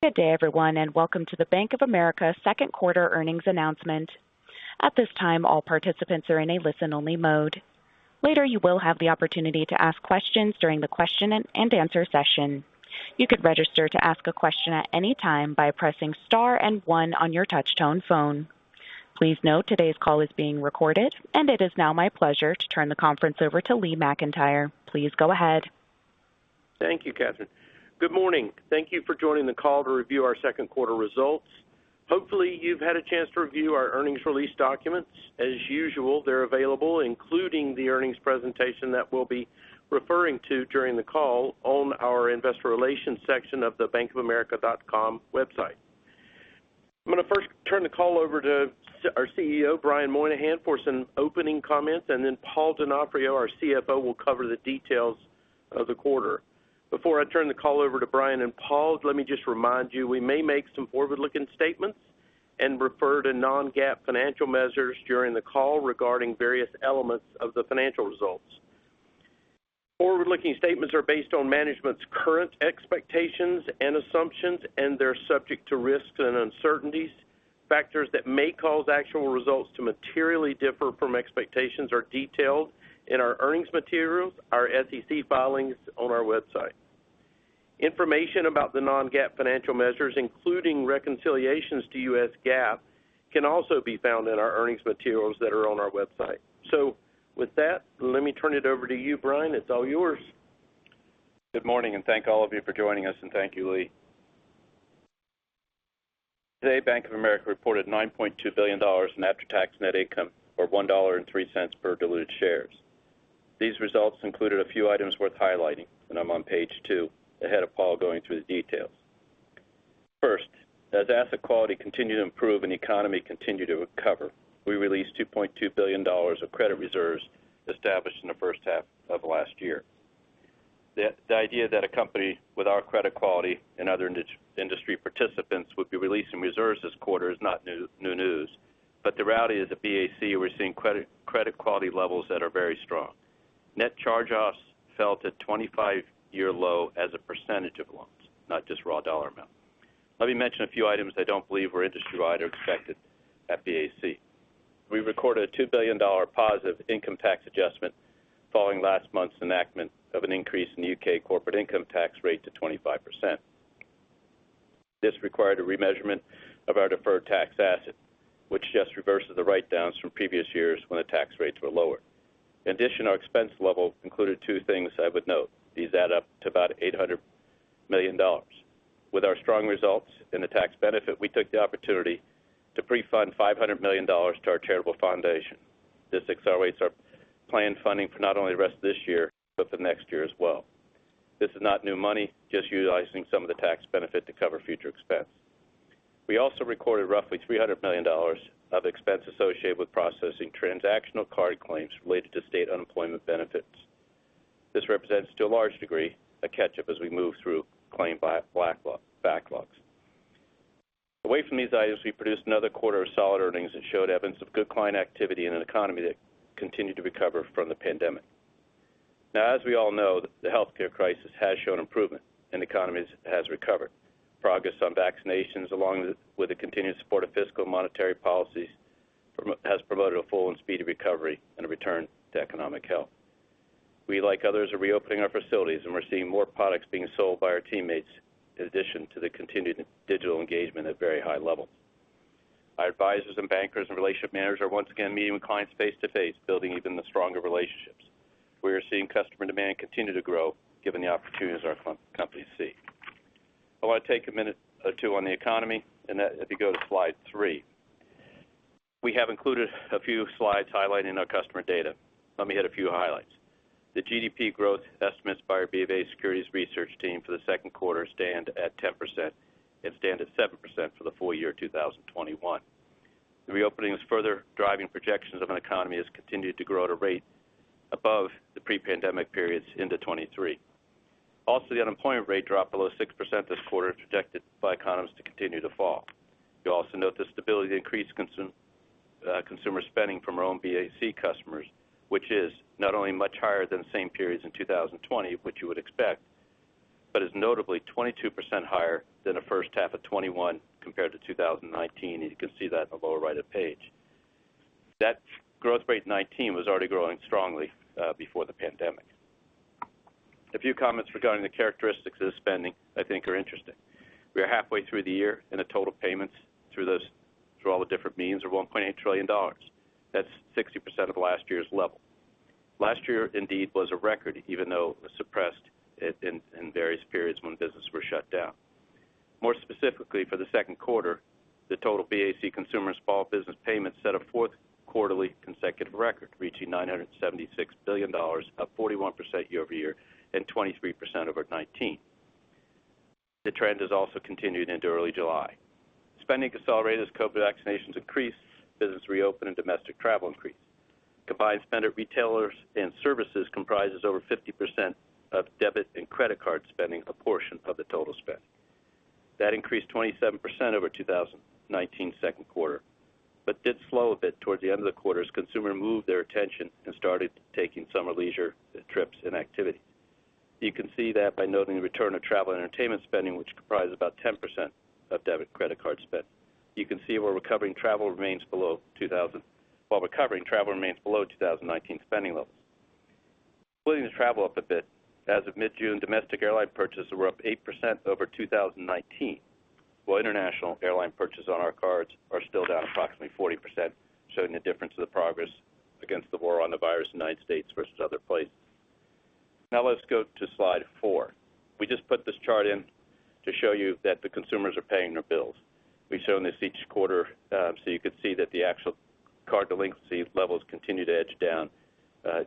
Good day, everyone, and welcome to the Bank of America second quarter earnings announcement. At this time, all participants are in a listen-only mode. Later, you will have the opportunity to ask questions during the question-and-answer session. You can register to ask a question at any time by pressing star and one on your touch-tone phone. Please note today's call is being recorded, and it is now my pleasure to turn the conference over to Lee McEntire. Please go ahead. Thank you, Katherine. Good morning. Thank you for joining the call to review our second quarter results. Hopefully, you've had a chance to review our earnings release documents. As usual, they're available, including the earnings presentation that we'll be referring to during the call on our investor relations section of the bankofamerica.com website. I'm going to first turn the call over to our CEO Brian Moynihan for some opening comments, and then Paul Donofrio, our CFO, will cover the details of the quarter. Before I turn the call over to Brian and Paul, let me just remind you, we may make some forward-looking statements and refer to non-GAAP financial measures during the call regarding various elements of the financial results. Forward-looking statements are based on management's current expectations and assumptions. They're subject to risks and uncertainties. Factors that may cause actual results to materially differ from expectations are detailed in our earnings materials, our SEC filings on our website. Information about the non-GAAP financial measures, including reconciliations to U.S. GAAP, can also be found in our earnings materials that are on our website. With that, let me turn it over to you, Brian. It's all yours. Good morning. Thank all of you for joining us, and thank you, Lee. Today, Bank of America reported $9.2 billion in after-tax net income, or $1.03 per diluted shares. These results included a few items worth highlighting, and I'm on page two, ahead of Paul going through the details. First, as asset quality continued to improve and the economy continued to recover, we released $2.2 billion of credit reserves established in the first half of last year. The idea that a company with our credit quality and other industry participants would be releasing reserves this quarter is not new news. The reality is at BAC, we're seeing credit quality levels that are very strong. Net charge-offs fell to a 25-year low as a percentage of loans, not just raw dollar amount. Let me mention a few items I don't believe are industry-wide or expected at BAC. We recorded a $2 billion positive income tax adjustment following last month's enactment of an increase in the U.K. corporate income tax rate to 25%. This required a remeasurement of our deferred tax asset, which just reverses the write-downs from previous years when the tax rates were lower. In addition, our expense level included two things I would note. These add up to about $800 million. With our strong results and the tax benefit, we took the opportunity to pre-fund $500 million to our charitable foundation. This accelerates our planned funding for not only the rest of this year, but the next year as well. This is not new money, just utilizing some of the tax benefit to cover future expense. We also recorded roughly $300 million of expense associated with processing transactional card claims related to state unemployment benefits. This represents, to a large degree, a catch-up as we move through claim backlogs. Away from these items, we produced another quarter of solid earnings that showed evidence of good client activity in an economy that continued to recover from the pandemic. As we all know, the healthcare crisis has shown improvement and the economy has recovered. Progress on vaccinations, along with the continued support of fiscal and monetary policies, has promoted a full and speedy recovery and a return to economic health. We, like others, are reopening our facilities, and we're seeing more products being sold by our teammates, in addition to the continued digital engagement at very high levels. Our advisors and bankers and relationship managers are once again meeting with clients face to face, building even stronger relationships. We are seeing customer demand continue to grow given the opportunities our companies see. I want to take a minute or two on the economy. If you go to slide three. We have included a few slides highlighting our customer data. Let me hit a few highlights. The GDP growth estimates by our BofA Securities research team for the second quarter stand at 10% and stand at 7% for the full year 2021. The reopening is further driving projections of an economy that's continued to grow at a rate above the pre-pandemic periods into 2023. The unemployment rate dropped below 6% this quarter, projected by economists to continue to fall. You'll also note the stability increased consumer spending from our own BAC customers, which is not only much higher than the same periods in 2020, which you would expect, but is notably 22% higher than the first half of 2021 compared to 2019. You can see that on the lower right of page. That growth rate in 2019 was already growing strongly before the pandemic. A few comments regarding the characteristics of the spending I think are interesting. We are halfway through the year, and the total payments through all the different means are $1.8 trillion. That's 60% of last year's level. Last year indeed was a record, even though it was suppressed in various periods when business was shut down. More specifically, for the second quarter, the total BAC consumers' small business payments set a fourth quarterly consecutive record, reaching $976 billion, up 41% year-over-year and 23% over 2019. The trend has also continued into early July. Spending accelerated as COVID vaccinations increased, business reopened, and domestic travel increased. Combined spend at retailers and services comprises over 50% of debit and credit card spending, a portion of the total spend that increased 27% over 2019 second quarter, but did slow a bit toward the end of the quarter as consumers moved their attention and started taking summer leisure trips and activity. You can see that by noting the return of travel and entertainment spending, which comprises about 10% of debit credit card spend. You can see while recovering, travel remains below 2019 spending levels. Including travel up a bit, as of mid-June, domestic airline purchases were up 8% over 2019, while international airline purchases on our cards are still down approximately 40%, showing the difference of the progress against the war on the virus in the United States versus other places. Now let's go to slide four. We just put this chart in to show you that the consumers are paying their bills. We've shown this each quarter so you could see that the actual card delinquency levels continue to edge down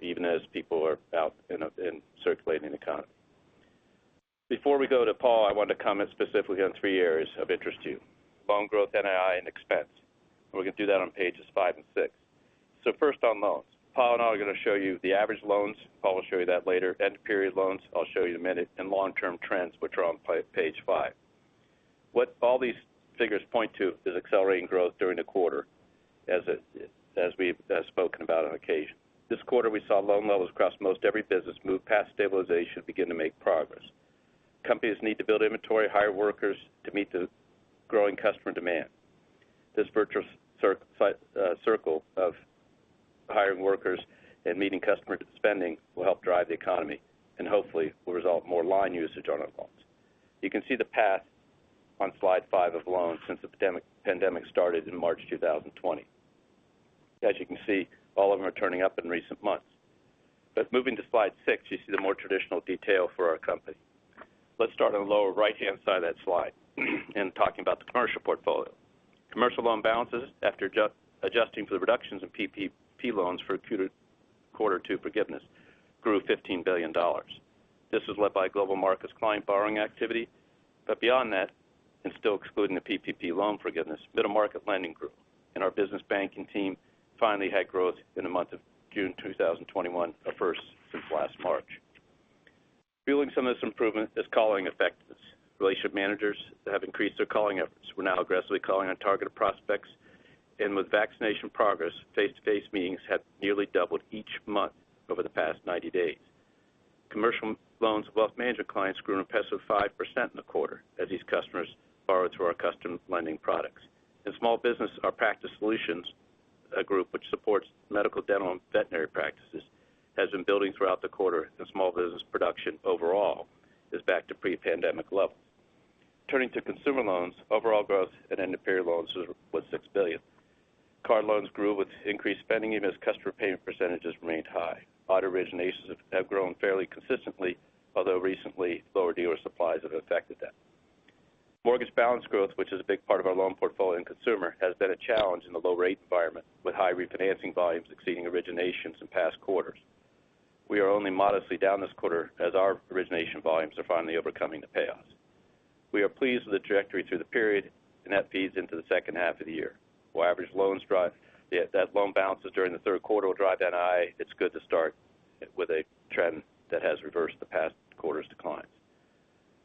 even as people are out and circulating the economy. Before we go to Paul, I want to comment specifically on three areas of interest to you, loan growth, NII, and expense. We can do that on pages five and six. First on loans. Paul and I are going to show you the average loans. Paul will show you that later. End-of-period loans, I'll show you in a minute, and long-term trends, which are on page five. What all these figures point to is accelerating growth during the quarter, as we've spoken about on occasion. This quarter, we saw loan levels across most every business move past stabilization and begin to make progress. Companies need to build inventory and hire workers to meet the growing customer demand. This virtuous circle of hiring workers and meeting customer spending will help drive the economy and hopefully will result in more line usage on our loans. You can see the path on slide five of loans since the pandemic started in March 2020. As you can see, all of them are turning up in recent months. Moving to slide six, you see the more traditional detail for our company. Let's start on the lower right-hand side of that slide in talking about the commercial portfolio. Commercial loan balances, after adjusting for the reductions of PPP loans for quarter two forgiveness, grew $15 billion. This is led by Global Markets' client borrowing activity. Beyond that, and still excluding the PPP loan forgiveness, Middle Market Lending group, and our business banking team finally had growth in the month of June 2021, a first since last March. Fueling some of this improvement is calling effectiveness. Relationship managers have increased their calling efforts. We're now aggressively calling on target prospects. With vaccination progress, face-to-face meetings have nearly doubled each month over the past 90 days. Commercial loans above major clients grew an impressive 5% in the quarter as these customers borrow to our custom lending products. In small business, our Practice Solutions Group, which supports medical, dental, and veterinary practices, has been building throughout the quarter, and small business production overall is back to pre-pandemic levels. Turning to consumer loans, overall growth in end-of-period loans was $6 billion. Card loans grew with increased spending even as customer pay-in percentages remained high. Auto originations have grown fairly consistently, although recently lower dealer supplies have affected that. Mortgage balance growth, which is a big part of our loan portfolio in consumer, has been a challenge in the low rate environment, with high refinancing volumes exceeding originations in past quarters. We are only modestly down this quarter as our origination volumes are finally overcoming the payoffs. We are pleased with the trajectory through the period, and that feeds into the second half of the year. While average loan balances during the third quarter will drive NII, it is good to start with a trend that has reversed the past quarter's declines.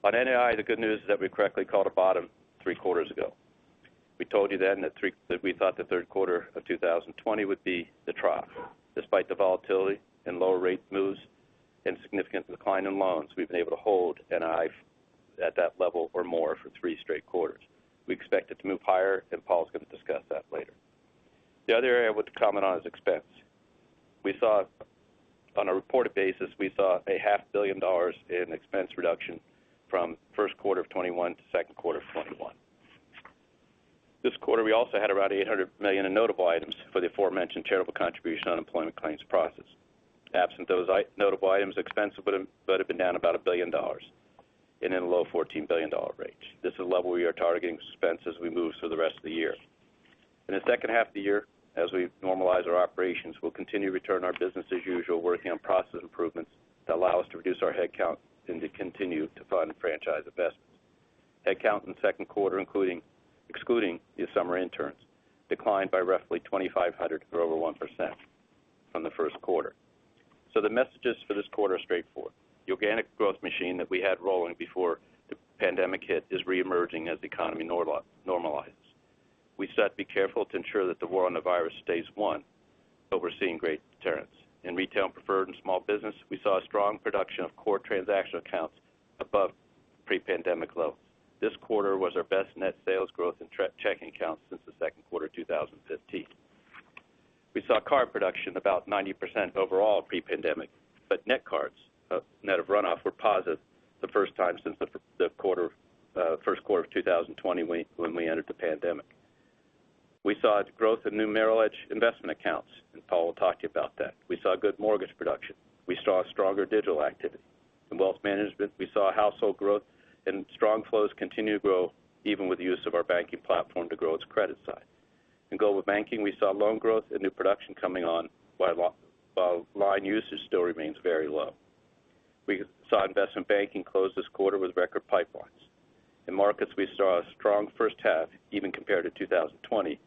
On NII, the good news is that we correctly called a bottom three quarters ago. We told you then that we thought the third quarter of 2020 would be the trough. Despite the volatility and lower rate moves and significant decline in loans, we've been able to hold NII at that level or more for three straight quarters. We expect it to move higher. Paul's going to discuss that later. The other area I want to comment on is expense. On a reported basis, we saw a $500 million in expense reduction from first quarter of 2021 to second quarter of 2021. This quarter, we also had around $800 million in notable items for the aforementioned charitable contribution on employment claims process. Absent those notable items, expense would have been down about $1 billion and in the low $14 billion range. This is the level we are targeting expense as we move through the rest of the year. In the second half of the year, as we normalize our operations, we will continue to return to our business as usual, working on process improvements that allow us to reduce our headcount and to continue to fund franchise investment. Headcount in the second quarter, excluding the summer interns, declined by roughly 2,500 or over 1% from the first quarter. The messages for this quarter are straightforward. The organic growth machine that we had rolling before the pandemic hit is reemerging as the economy normalizes. We still have to be careful to ensure that the coronavirus stays one that we are seeing great deterrence. In Retail, Preferred, and Small Business, we saw strong production of core transactional accounts above pre-pandemic levels. This quarter was our best net sales growth in checking accounts since the second quarter of 2015. We saw card production about 90% overall pre-pandemic, but net cards, net of runoff, were positive for the first time since the first quarter of 2020 when we entered the pandemic. We saw growth in new Merrill Edge investment accounts, and Paul will talk to you about that. We saw good mortgage production. We saw stronger digital activity. In wealth management, we saw household growth and strong flows continue to grow even with the use of our banking platform to grow its credit side. In Global Banking, we saw loan growth and new production coming on while line usage still remains very low. We saw Investment Banking close this quarter with record pipelines. In markets, we saw a strong first half even compared to 2020.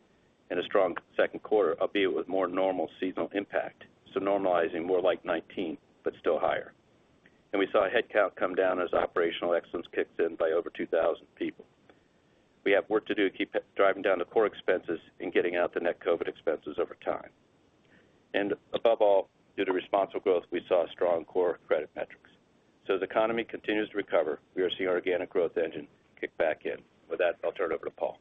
A strong second quarter, albeit with more normal seasonal impact. Normalizing more like 2019, but still higher. We saw headcount come down as operational excellence kicks in by over 2,000 people. We have work to do to keep driving down the core expenses and getting out the net COVID expenses over time. Above all, due to responsible growth, we saw strong core credit metrics. As the economy continues to recover, we are seeing organic growth engine kick back in. With that, I'll turn it over to Paul.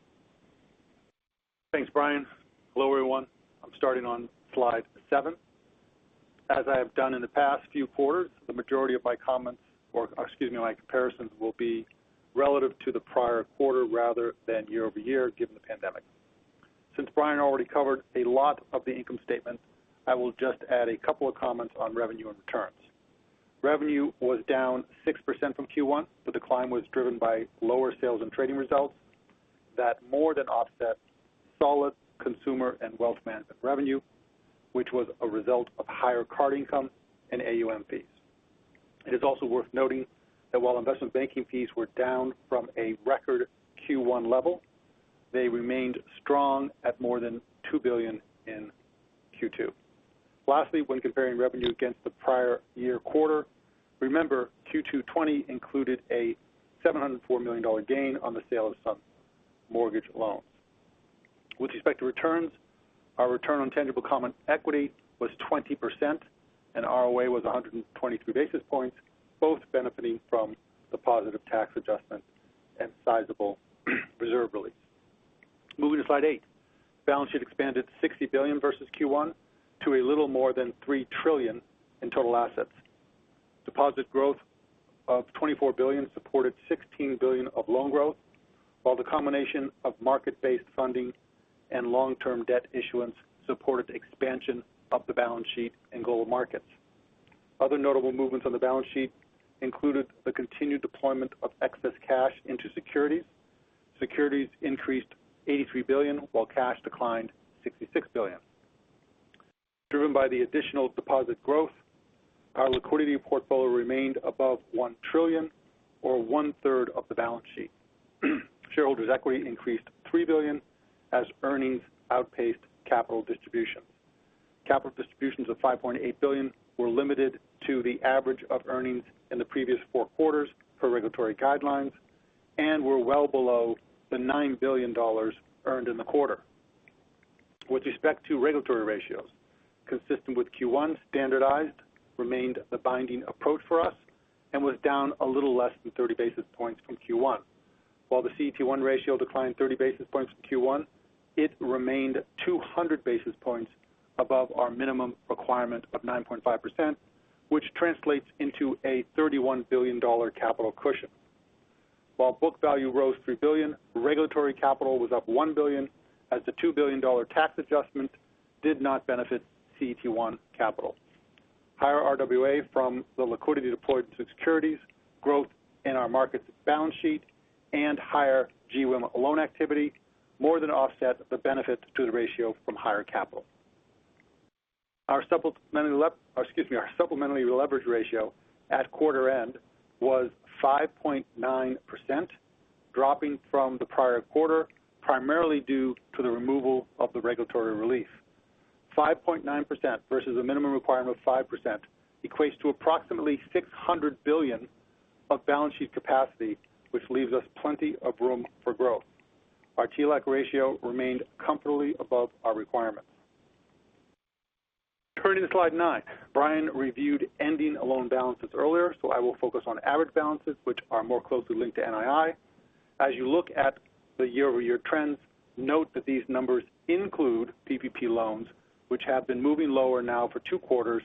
Thanks, Brian. Hello, everyone. I'm starting on slide seven. As I've done in the past few quarters, the majority of my comparisons will be relative to the prior quarter rather than year-over-year, given the pandemic. Since Brian already covered a lot of the income statement, I will just add a couple of comments on revenue and returns. Revenue was down 6% from Q1. The decline was driven by lower sales and trading results that more than offset solid consumer and wealth management revenue, which was a result of higher card income and AUM fees. It is also worth noting that while Investment Banking fees were down from a record Q1 level, they remained strong at more than $2 billion in Q2. Lastly, when comparing revenue against the prior year quarter, remember Q2 2020 included a $704 million gain on the sale of some mortgage loans. With respect to returns, our return on tangible common equity was 20% and ROE was 123 basis points, both benefiting from the positive tax adjustment and sizable reserve release. Moving to slide eight. Balance sheet expanded $60 billion versus Q1 to a little more than $3 trillion in total assets. Deposit growth of $24 billion supported $16 billion of loan growth, while the combination of market-based funding and long-term debt issuance supported expansion of the balance sheet in Global Markets. Other notable movements on the balance sheet included the continued deployment of excess cash into securities. Securities increased $83 billion, while cash declined $66 billion. Driven by the additional deposit growth, our liquidity portfolio remained above $1 trillion or 1/3 of the balance sheet. Shareholders' equity increased $3 billion as earnings outpaced capital distribution. Capital distributions of $5.8 billion were limited to the average of earnings in the previous four quarters per regulatory guidelines and were well below the $9 billion earned in the quarter. With respect to regulatory ratios, consistent with Q1, standardized remained the binding approach for us and was down a little less than 30 basis points from Q1. While the CET1 ratio declined 30 basis points from Q1, it remained 200 basis points above our minimum requirement of 9.5%, which translates into a $31 billion capital cushion. While book value rose $3 billion, regulatory capital was up $1 billion as the $2 billion tax adjustment did not benefit CET1 capital. Higher RWA from the liquidity deployed to securities, growth in our markets balance sheet, and higher GWIM loan activity more than offset the benefits to the ratio from higher capital. Our supplementary leverage ratio at quarter end was 5.9%, dropping from the prior quarter, primarily due to the removal of the regulatory relief. 5.9% versus a minimum requirement of 5% equates to approximately $600 billion of balance sheet capacity, which leaves us plenty of room for growth. Our TLAC ratio remained comfortably above our requirement. Turning to slide nine. Brian reviewed ending loan balances earlier, so I will focus on average balances which are more closely linked to NII. As you look at the year-over-year trends, note that these numbers include PPP loans which have been moving lower now for two quarters,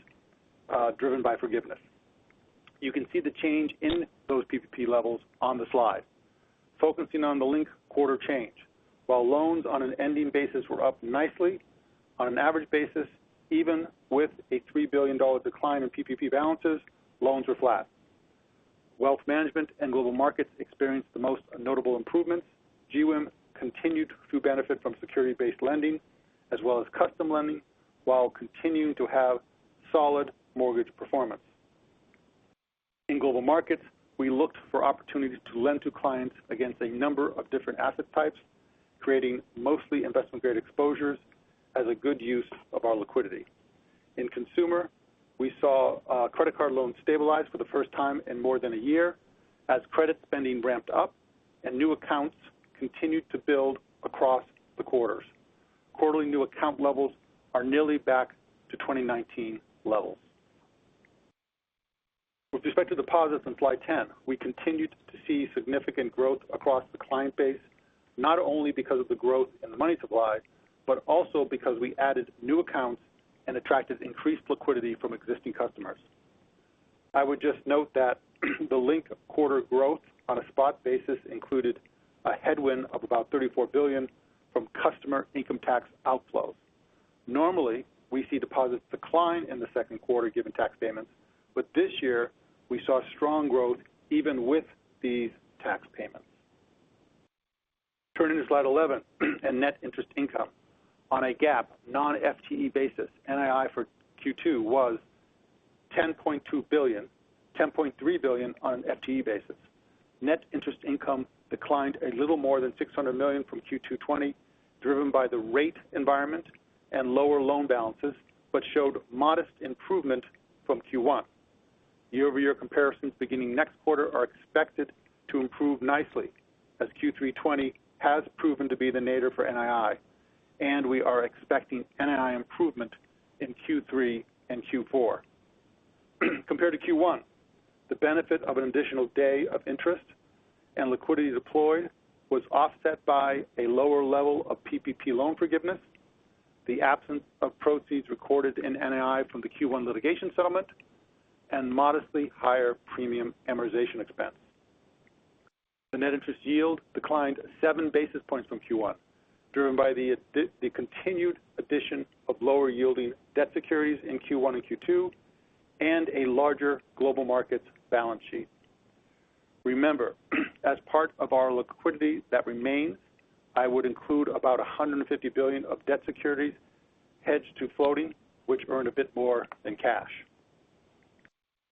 driven by forgiveness. You can see the change in those PPP levels on the slide. Focusing on the linked quarter change. While loans on an ending basis were up nicely on an average basis, even with a $3 billion decline in PPP balances, loans were flat. Wealth management and Global Markets experienced the most notable improvements. GWIM continued to benefit from securities-based lending as well as custom lending, while continuing to have solid mortgage performance. In Global Markets, we looked for opportunities to lend to clients against a number of different asset types, creating mostly investment-grade exposures as a good use of our liquidity. In consumer, we saw credit card loans stabilize for the first time in more than a year as credit spending ramped up and new accounts continued to build across the quarters. Quarterly new account levels are nearly back to 2019 levels. With respect to deposits in slide 10, we continued to see significant growth across the client base, not only because of the growth in the money supply, but also because we added new accounts and attracted increased liquidity from existing customers. I would just note that the linked quarter growth on a spot basis included a headwind of about $34 billion from customer income tax outflows. Normally, we see deposits decline in the second quarter given tax payments, but this year, we saw strong growth even with these tax payments. Turning to slide 11 and net interest income. On a GAAP, non-FTE basis, NII for Q2 was $10.2 billion, $10.3 billion on an FTE basis. Net interest income declined a little more than $600 million from Q2 2020, driven by the rate environment and lower loan balances, but showed modest improvement from Q1. Year-over-year comparisons beginning next quarter are expected to improve nicely, as Q3 2020 has proven to be the nadir for NII, and we are expecting NII improvement in Q3 and Q4. Compared to Q1, the benefit of an additional one day of interest and liquidity deployed was offset by a lower level of PPP loan forgiveness, the absence of proceeds recorded in NII from the Q1 litigation settlement, and modestly higher premium amortization expense. The net interest yield declined 7 basis points from Q1, driven by the continued addition of lower yielding debt securities in Q1 and Q2, and a larger Global Markets balance sheet. Remember, as part of our liquidity that remains, I would include about $150 billion of debt securities hedged to floating, which earn a bit more than cash.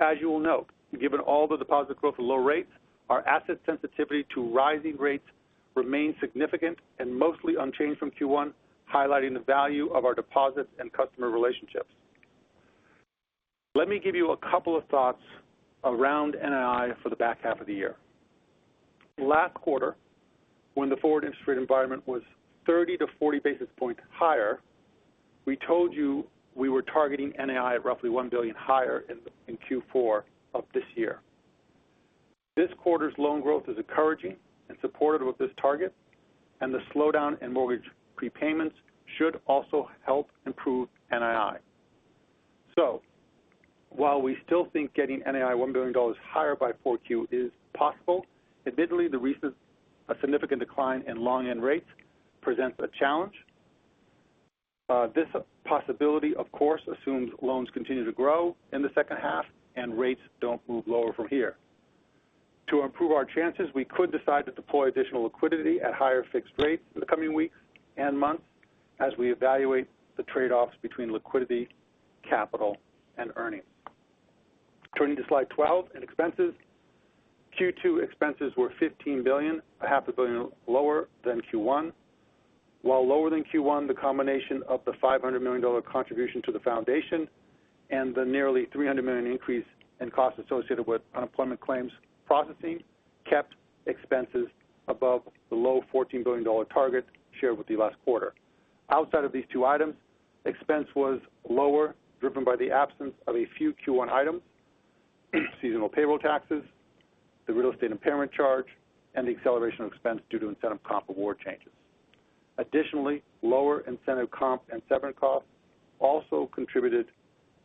As you will note, given all the deposit growth at low rates, our asset sensitivity to rising rates remains significant and mostly unchanged from Q1, highlighting the value of our deposits and customer relationships. Let me give you a couple of thoughts around NII for the back half of the year. Last quarter, when the forward interest rate environment was 30-40 basis points higher, we told you we were targeting NII of roughly $1 billion higher in Q4 of this year. This quarter's loan growth is encouraging and supportive of this target, and the slowdown in mortgage prepayments should also help improve NII. While we still think getting NII $1 billion higher by 4Q is possible, admittedly the recent significant decline in long-end rates presents a challenge. This possibility, of course, assumes loans continue to grow in the second half and rates don't move lower from here. To improve our chances, we could decide to deploy additional liquidity at higher fixed rates in the coming weeks and months as we evaluate the trade-offs between liquidity, capital, and earnings. Turning to slide 12 in expenses. Q2 expenses were $15 billion, $500 million lower than Q1. While lower than Q1, the combination of the $500 million contribution to the foundation and the nearly $300 million increase in costs associated with unemployment claims processing kept expenses above the low $14 billion target shared with you last quarter. Outside of these two items, expense was lower, driven by the absence of a few Q1 items, seasonal payroll taxes, the real estate impairment charge, and the acceleration of expense due to incentive comp award changes. Additionally, lower incentive comp and severance costs also contributed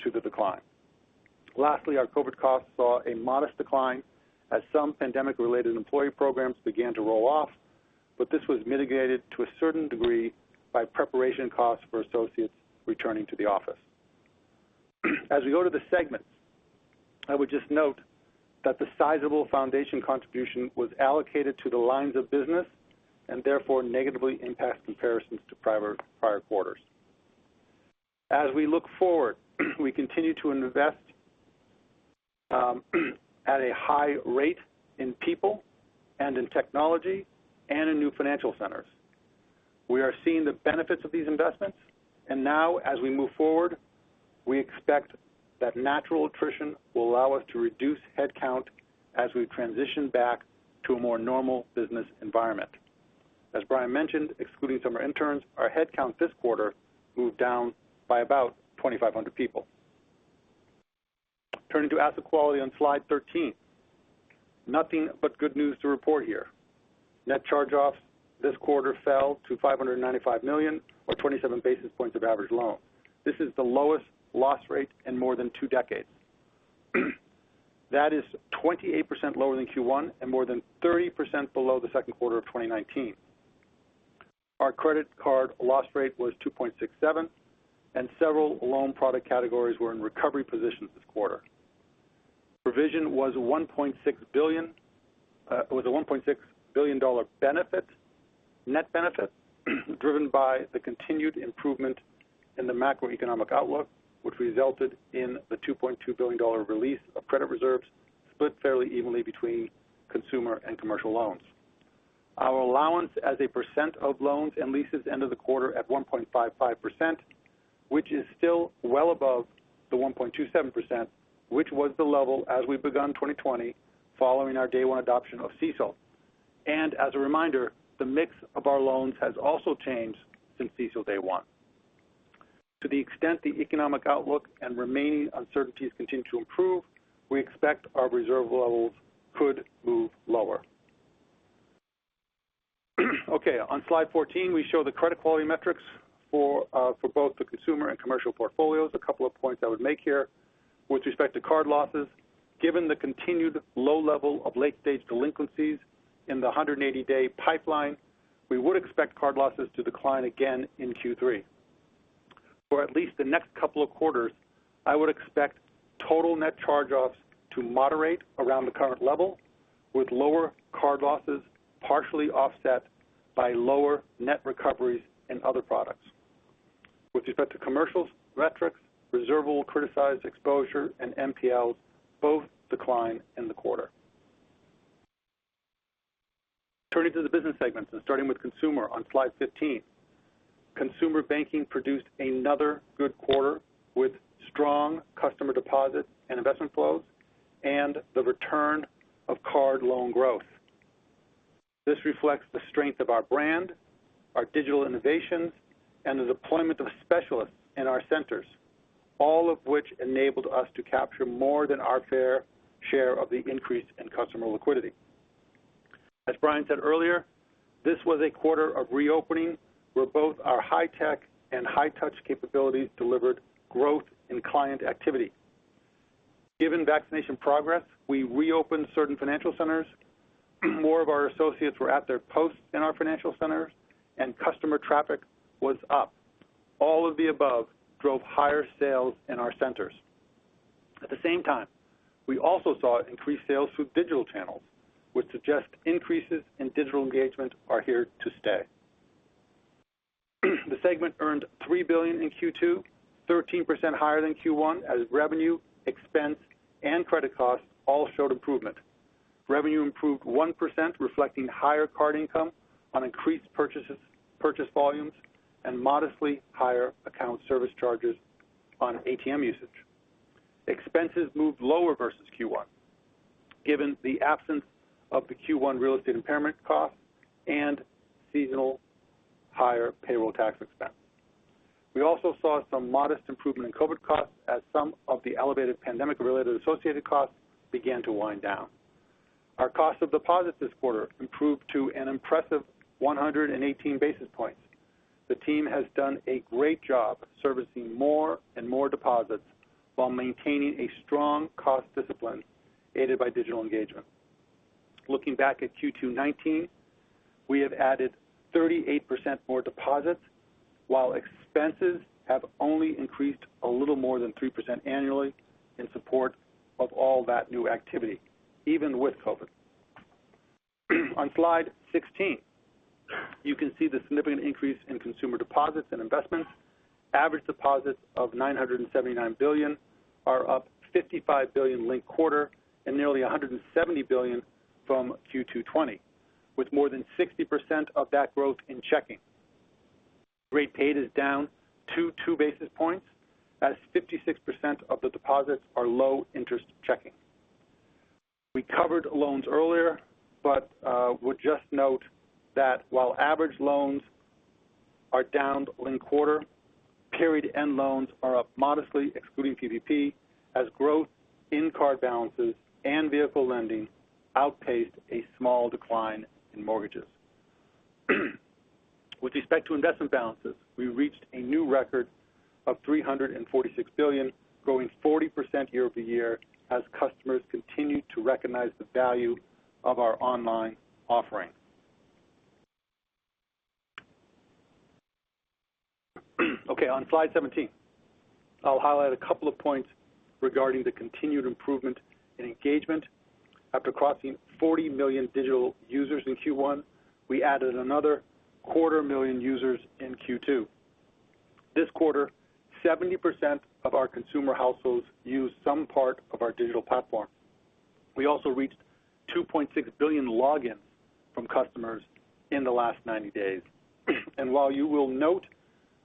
to the decline. Lastly, our COVID costs saw a modest decline as some pandemic related employee programs began to roll off, but this was mitigated to a certain degree by preparation costs for associates returning to the office. As we go to the segments, I would just note that the sizable foundation contribution was allocated to the lines of business and therefore negatively impacts comparisons to prior quarters. As we look forward, we continue to invest at a high rate in people and in technology and in new financial centers. We are seeing the benefits of these investments, and now as we move forward, we expect that natural attrition will allow us to reduce headcount as we transition back to a more normal business environment. As Brian mentioned, excluding summer interns, our headcount this quarter moved down by about 2,500 people. Turning to asset quality on slide 13. Nothing but good news to report here. Net charge-offs this quarter fell to $595 million, or 27 basis points of average loan. This is the lowest loss rate in more than two decades. That is 28% lower than Q1 and more than 30% below the second quarter of 2019. Our credit card loss rate was 2.67%, and several loan product categories were in recovery positions this quarter. Provision was a $1.6 billion benefit. Net benefit was driven by the continued improvement in the macroeconomic outlook, which resulted in the $2.2 billion release of credit reserves split fairly evenly between consumer and commercial loans. Our allowance as a percent of loans and leases end of the quarter at 1.55%, which is still well above the 1.27%, which was the level as we began 2020 following our day one adoption of CECL. As a reminder, the mix of our loans has also changed since CECL day one. To the extent the economic outlook and remaining uncertainties continue to improve, we expect our reserve levels could move lower. Okay. On slide 14, we show the credit quality metrics for both the consumer and commercial portfolios. A couple of points I would make here. With respect to card losses, given the continued low level of late stage delinquencies in the 180-day pipeline, we would expect card losses to decline again in Q3. For at least the next couple of quarters, I would expect total net charge-offs to moderate around the current level. With lower card losses partially offset by lower net recoveries in other products. With respect to commercials, metrics, reservable criticized exposure and NPLs both declined in the quarter. Turning to the business segments, starting with Consumer on slide 15. Consumer Banking produced another good quarter with strong customer deposit and investment flows and the return of card loan growth. This reflects the strength of our brand, our digital innovations, and the deployment of specialists in our centers, all of which enabled us to capture more than our fair share of the increase in customer liquidity. As Brian said earlier, this was a quarter of reopening where both our high-tech and high-touch capabilities delivered growth in client activity. Given vaccination progress, we reopened certain financial centers, more of our associates were at their posts in our financial centers, and customer traffic was up. All of the above drove higher sales in our centers. At the same time, we also saw increased sales through digital channels, which suggest increases in digital engagement are here to stay. The segment earned $3 billion in Q2, 13% higher than Q1 as revenue, expense, and credit costs all showed improvement. Revenue improved 1%, reflecting higher card income on increased purchase volumes, and modestly higher account service charges on ATM usage. Expenses moved lower versus Q1, given the absence of the Q1-related impairment costs and seasonal higher payroll tax expense. We also saw some modest improvement in COVID costs as some of the elevated pandemic-related associated costs began to wind down. Our cost of deposits this quarter improved to an impressive 118 basis points. The team has done a great job servicing more and more deposits while maintaining a strong cost discipline aided by digital engagement. Looking back at Q2 2019, we have added 38% more deposits while expenses have only increased a little more than 3% annually in support of all that new activity, even with COVID. On slide 16, you can see the significant increase in consumer deposits and investments. Average deposits of $979 billion are up $55 billion linked-quarter and nearly $170 billion from Q2 2020. With more than 60% of that growth in checking. Rate paid is down 2 basis points as 56% of the deposits are low interest checking. We covered loans earlier, but would just note that while average loans are down linked-quarter, carried end loans are up modestly excluding PPP, as growth in card balances and vehicle lending outpaced a small decline in mortgages. With respect to investment balances, we reached a new record of $346 billion, growing 40% year-over-year as customers continue to recognize the value of our online offering. Okay, on slide 17. I'll highlight a couple of points regarding the continued improvement in engagement. After crossing 40 million digital users in Q1, we added another 250,000 users in Q2. This quarter, 70% of our consumer households used some part of our digital platform. We also reached 2.6 billion logins from customers in the last 90 days. While you will note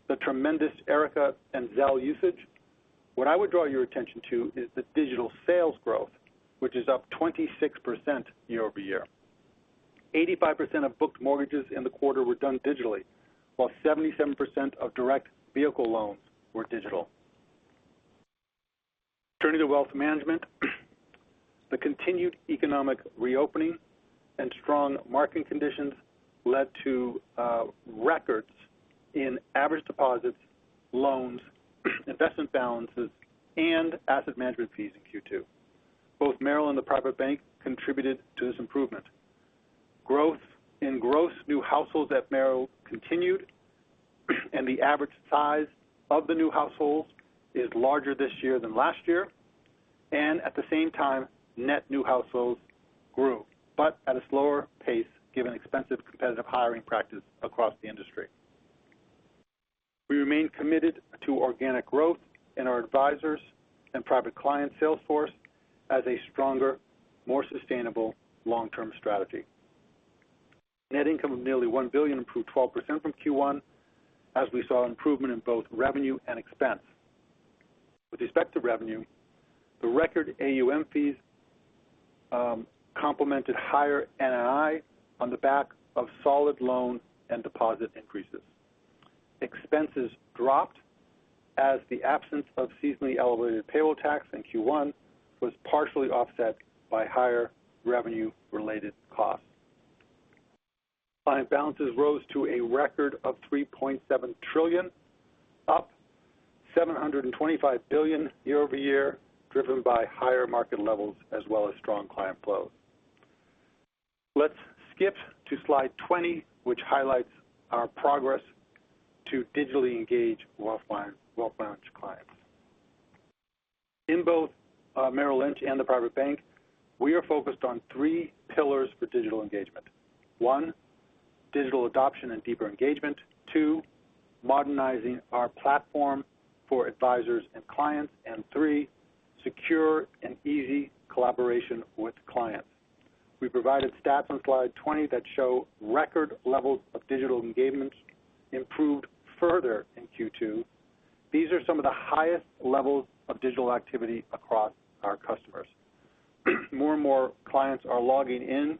the tremendous Erica and Zelle usage, what I would draw your attention to is the digital sales growth, which is up 26% year-over-year. 85% of booked mortgages in the quarter were done digitally, while 77% of direct vehicle loans were digital. Turning to wealth management. The continued economic reopening and strong market conditions led to records in average deposits, loans, investment balances, and asset management fees in Q2. Both Merrill and the Private Bank contributed to this improvement. Growth in gross new households at Merrill continued, and the average size of the new households is larger this year than last year. At the same time, net new households grew, but at a slower pace given expensive competitive hiring practices across the industry. We remain committed to organic growth in our advisors and private client sales force as a stronger, more sustainable long-term strategy. Net income of nearly $1 billion improved 12% from Q1 as we saw improvement in both revenue and expense. With respect to revenue, the record AUM fees complemented higher NII on the back of solid loan and deposit increases. Expenses dropped as the absence of seasonally elevated payroll tax in Q1 was partially offset by higher revenue related costs. Client balances rose to a record of $3.7 trillion, up $725 billion year-over-year, driven by higher market levels as well as strong client flows. Let's skip to slide 20, which highlights our progress to digitally engage wealth management clients. In both Merrill Lynch and the Private Bank, we are focused on three pillars for digital engagement. One, digital adoption and deeper engagement. Two, modernizing our platform for advisors and clients. Three, secure and easy collaboration with clients. We provided stats on slide 20 that show record levels of digital engagement improved further in Q2. These are some of the highest levels of digital activity across our customers. More and more clients are logging in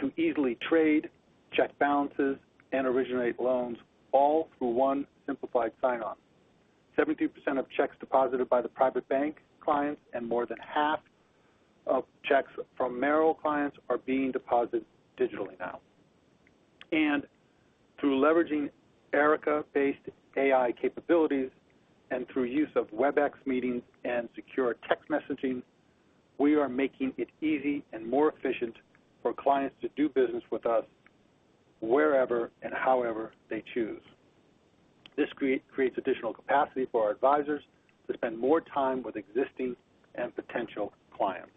to easily trade, check balances, and originate loans, all through one simplified sign-on. 72% of checks deposited by the Private Bank clients, and more than half of checks from Merrill clients are being deposited digitally now. Through leveraging Erica-based AI capabilities, and through use of Webex meetings and secure text messaging, we are making it easy and more efficient for clients to do business with us wherever and however they choose. This creates additional capacity for our advisors to spend more time with existing and potential clients.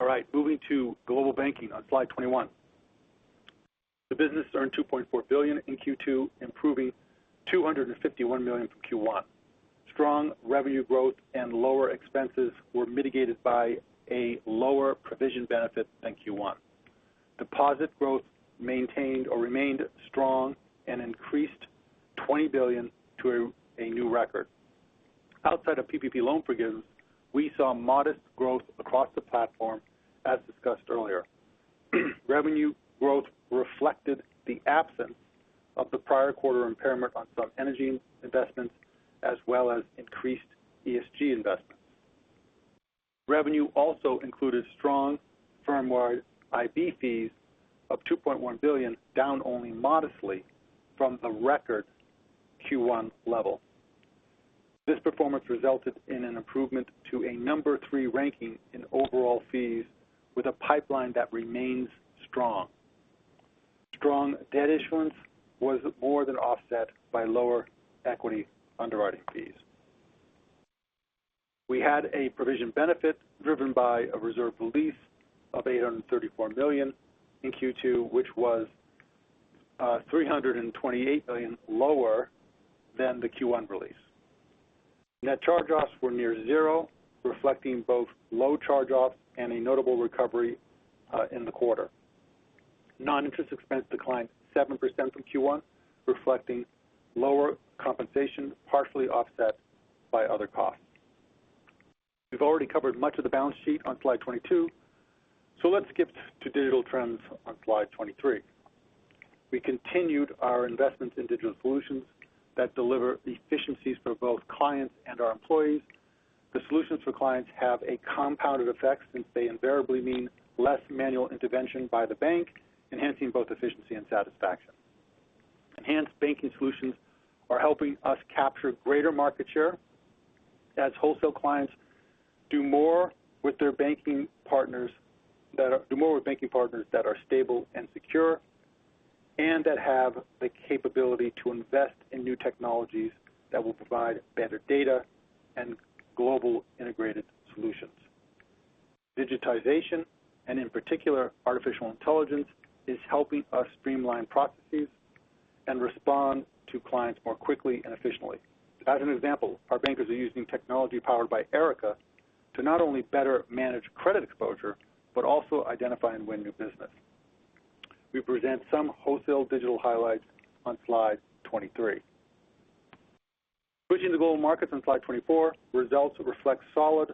All right, moving to Global Banking on slide 21. The business earned $2.4 billion in Q2, improving $251 million from Q1. Strong revenue growth and lower expenses were mitigated by a lower provision benefit than Q1. Deposit growth maintained or remained strong, and increased $20 billion to a new record. Outside of PPP loan forgiveness, we saw modest growth across the platform, as discussed earlier. Revenue growth reflected the absence of the prior quarter impairment on some energy investments, as well as increased ESG investments. Revenue also included strong firm-wide IB fees of $2.1 billion, down only modestly from the record Q1 level. This performance resulted in an improvement to a number three ranking in overall fees with a pipeline that remains strong. Strong debt issuance was more than offset by lower equity underwriting fees. We had a provision benefit driven by a reserve release of $834 million in Q2, which was $328 million lower than the Q1 release. Net charge-offs were near zero, reflecting both low charge-offs and a notable recovery in the quarter. Non-interest expense declined 7% from Q1, reflecting lower compensation, partially offset by other costs. We've already covered much of the balance sheet on slide 22, so let's skip to digital trends on slide 23. We continued our investments in digital solutions that deliver efficiencies for both clients and our employees. The solutions for clients have a compounded effect since they invariably mean less manual intervention by the bank, enhancing both efficiency and satisfaction. Enhanced banking solutions are helping us capture greater market share as wholesale clients do more with banking partners that are stable and secure, and that have the capability to invest in new technologies that will provide better data and global integrated solutions. Digitization, and in particular, artificial intelligence, is helping us streamline processes and respond to clients more quickly and efficiently. As an example, our bankers are using technology powered by Erica to not only better manage credit exposure, but also identify and win new business. We present some wholesale digital highlights on slide 23. Switching to Global Markets on slide 24, results reflect solid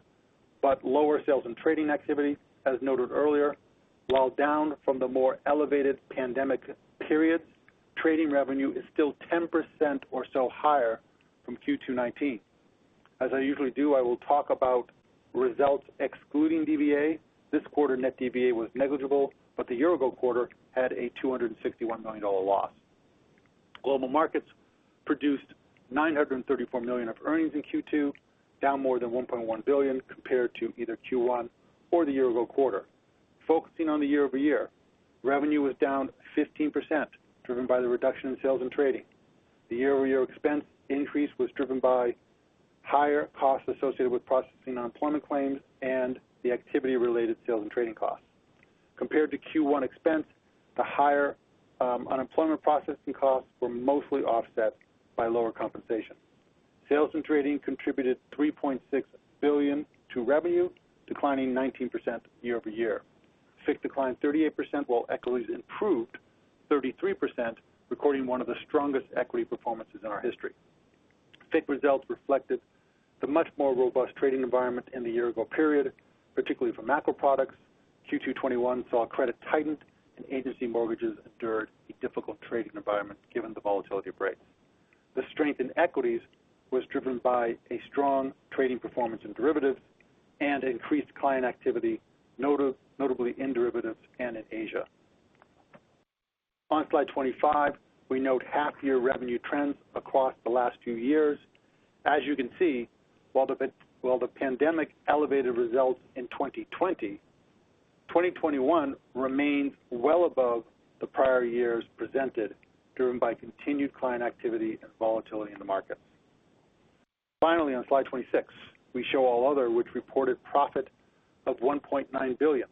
but lower sales and trading activity, as noted earlier. While down from the more elevated pandemic periods, trading revenue is still 10% or so higher from Q2 2019. As I usually do, I will talk about results excluding DVA. This quarter net DVA was negligible, but the year-ago quarter had a $261 million loss. Global Markets produced $934 million of earnings in Q2, down more than $1.1 billion compared to either Q1 or the year-ago quarter. Focusing on the year-over-year, revenue was down 15%, driven by the reduction in sales and trading. The year-over-year expense increase was driven by higher costs associated with processing unemployment claims and the activity-related sales and trading costs. Compared to Q1 expense, the higher unemployment processing costs were mostly offset by lower compensation. Sales and trading contributed $3.6 billion to revenue, declining 19% year-over-year. FICC declined 38%, while equities improved 33%, recording one of the strongest equity performances in our history. FICC results reflected the much more robust trading environment in the year-ago period, particularly for macro products. Q2 2021 saw credit tightened, and agency mortgages endured a difficult trading environment given the volatility of rates. The strength in equities was driven by a strong trading performance in derivatives and increased client activity notably in derivatives and in Asia. On slide 25, we note half-year revenue trends across the last few years. As you can see, while the pandemic elevated results in 2020, 2021 remained well above the prior years presented, driven by continued client activity and volatility in the markets. Finally, on slide 26, we show all other, which reported profit of $1.9 billion.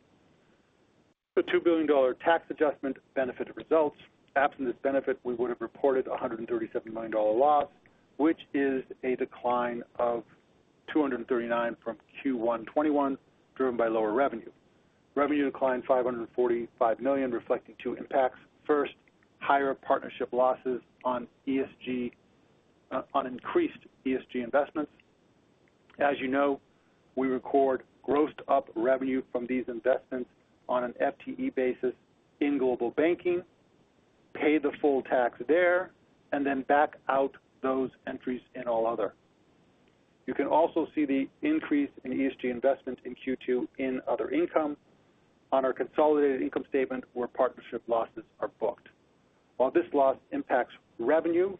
The $2 billion tax adjustment benefited results. Absent this benefit, we would've reported a $137 million loss, which is a decline of $239 million from Q1 2021, driven by lower revenue. Revenue declined $545 million, reflecting two effects. First, higher partnership losses on increased ESG investments. As you know, we record grossed-up revenue from these investments on an FTE basis in Global Banking, pay the full tax there, and then back out those entries in all other. You can also see the increase in ESG investments in Q2 in other income on our consolidated income statement where partnership losses are booked. While this loss impacts revenue,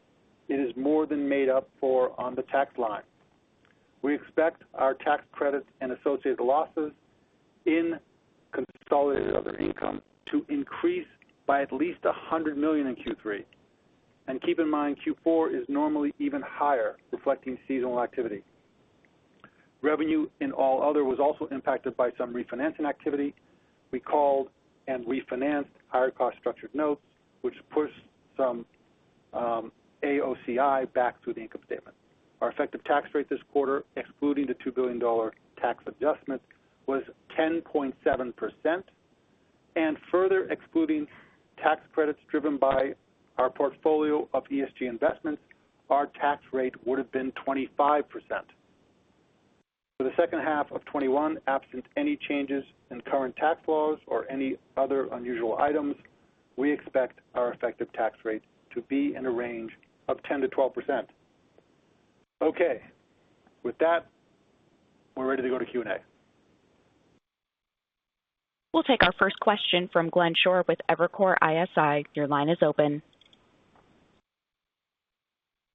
it is more than made up for on the tax line. We expect our tax credits and associated losses in consolidated other income to increase by at least $100 million in Q3. Keep in mind, Q4 is normally even higher, reflecting seasonal activity. Revenue in all other was also impacted by some refinancing activity. We called and refinanced higher cost structured notes, which pushed some AOCI back to the income statement. Our effective tax rate this quarter, excluding the $2 billion tax adjustment, was 10.7%. Further excluding tax credits driven by our portfolio of ESG investments, our tax rate would've been 25%. For the second half of 2021, absent any changes in current tax laws or any other unusual items, we expect our effective tax rate to be in a range of 10%-12%. Okay. With that, we're ready to go to Q&A. We'll take our first question from Glenn Schorr with Evercore ISI. Your line is open.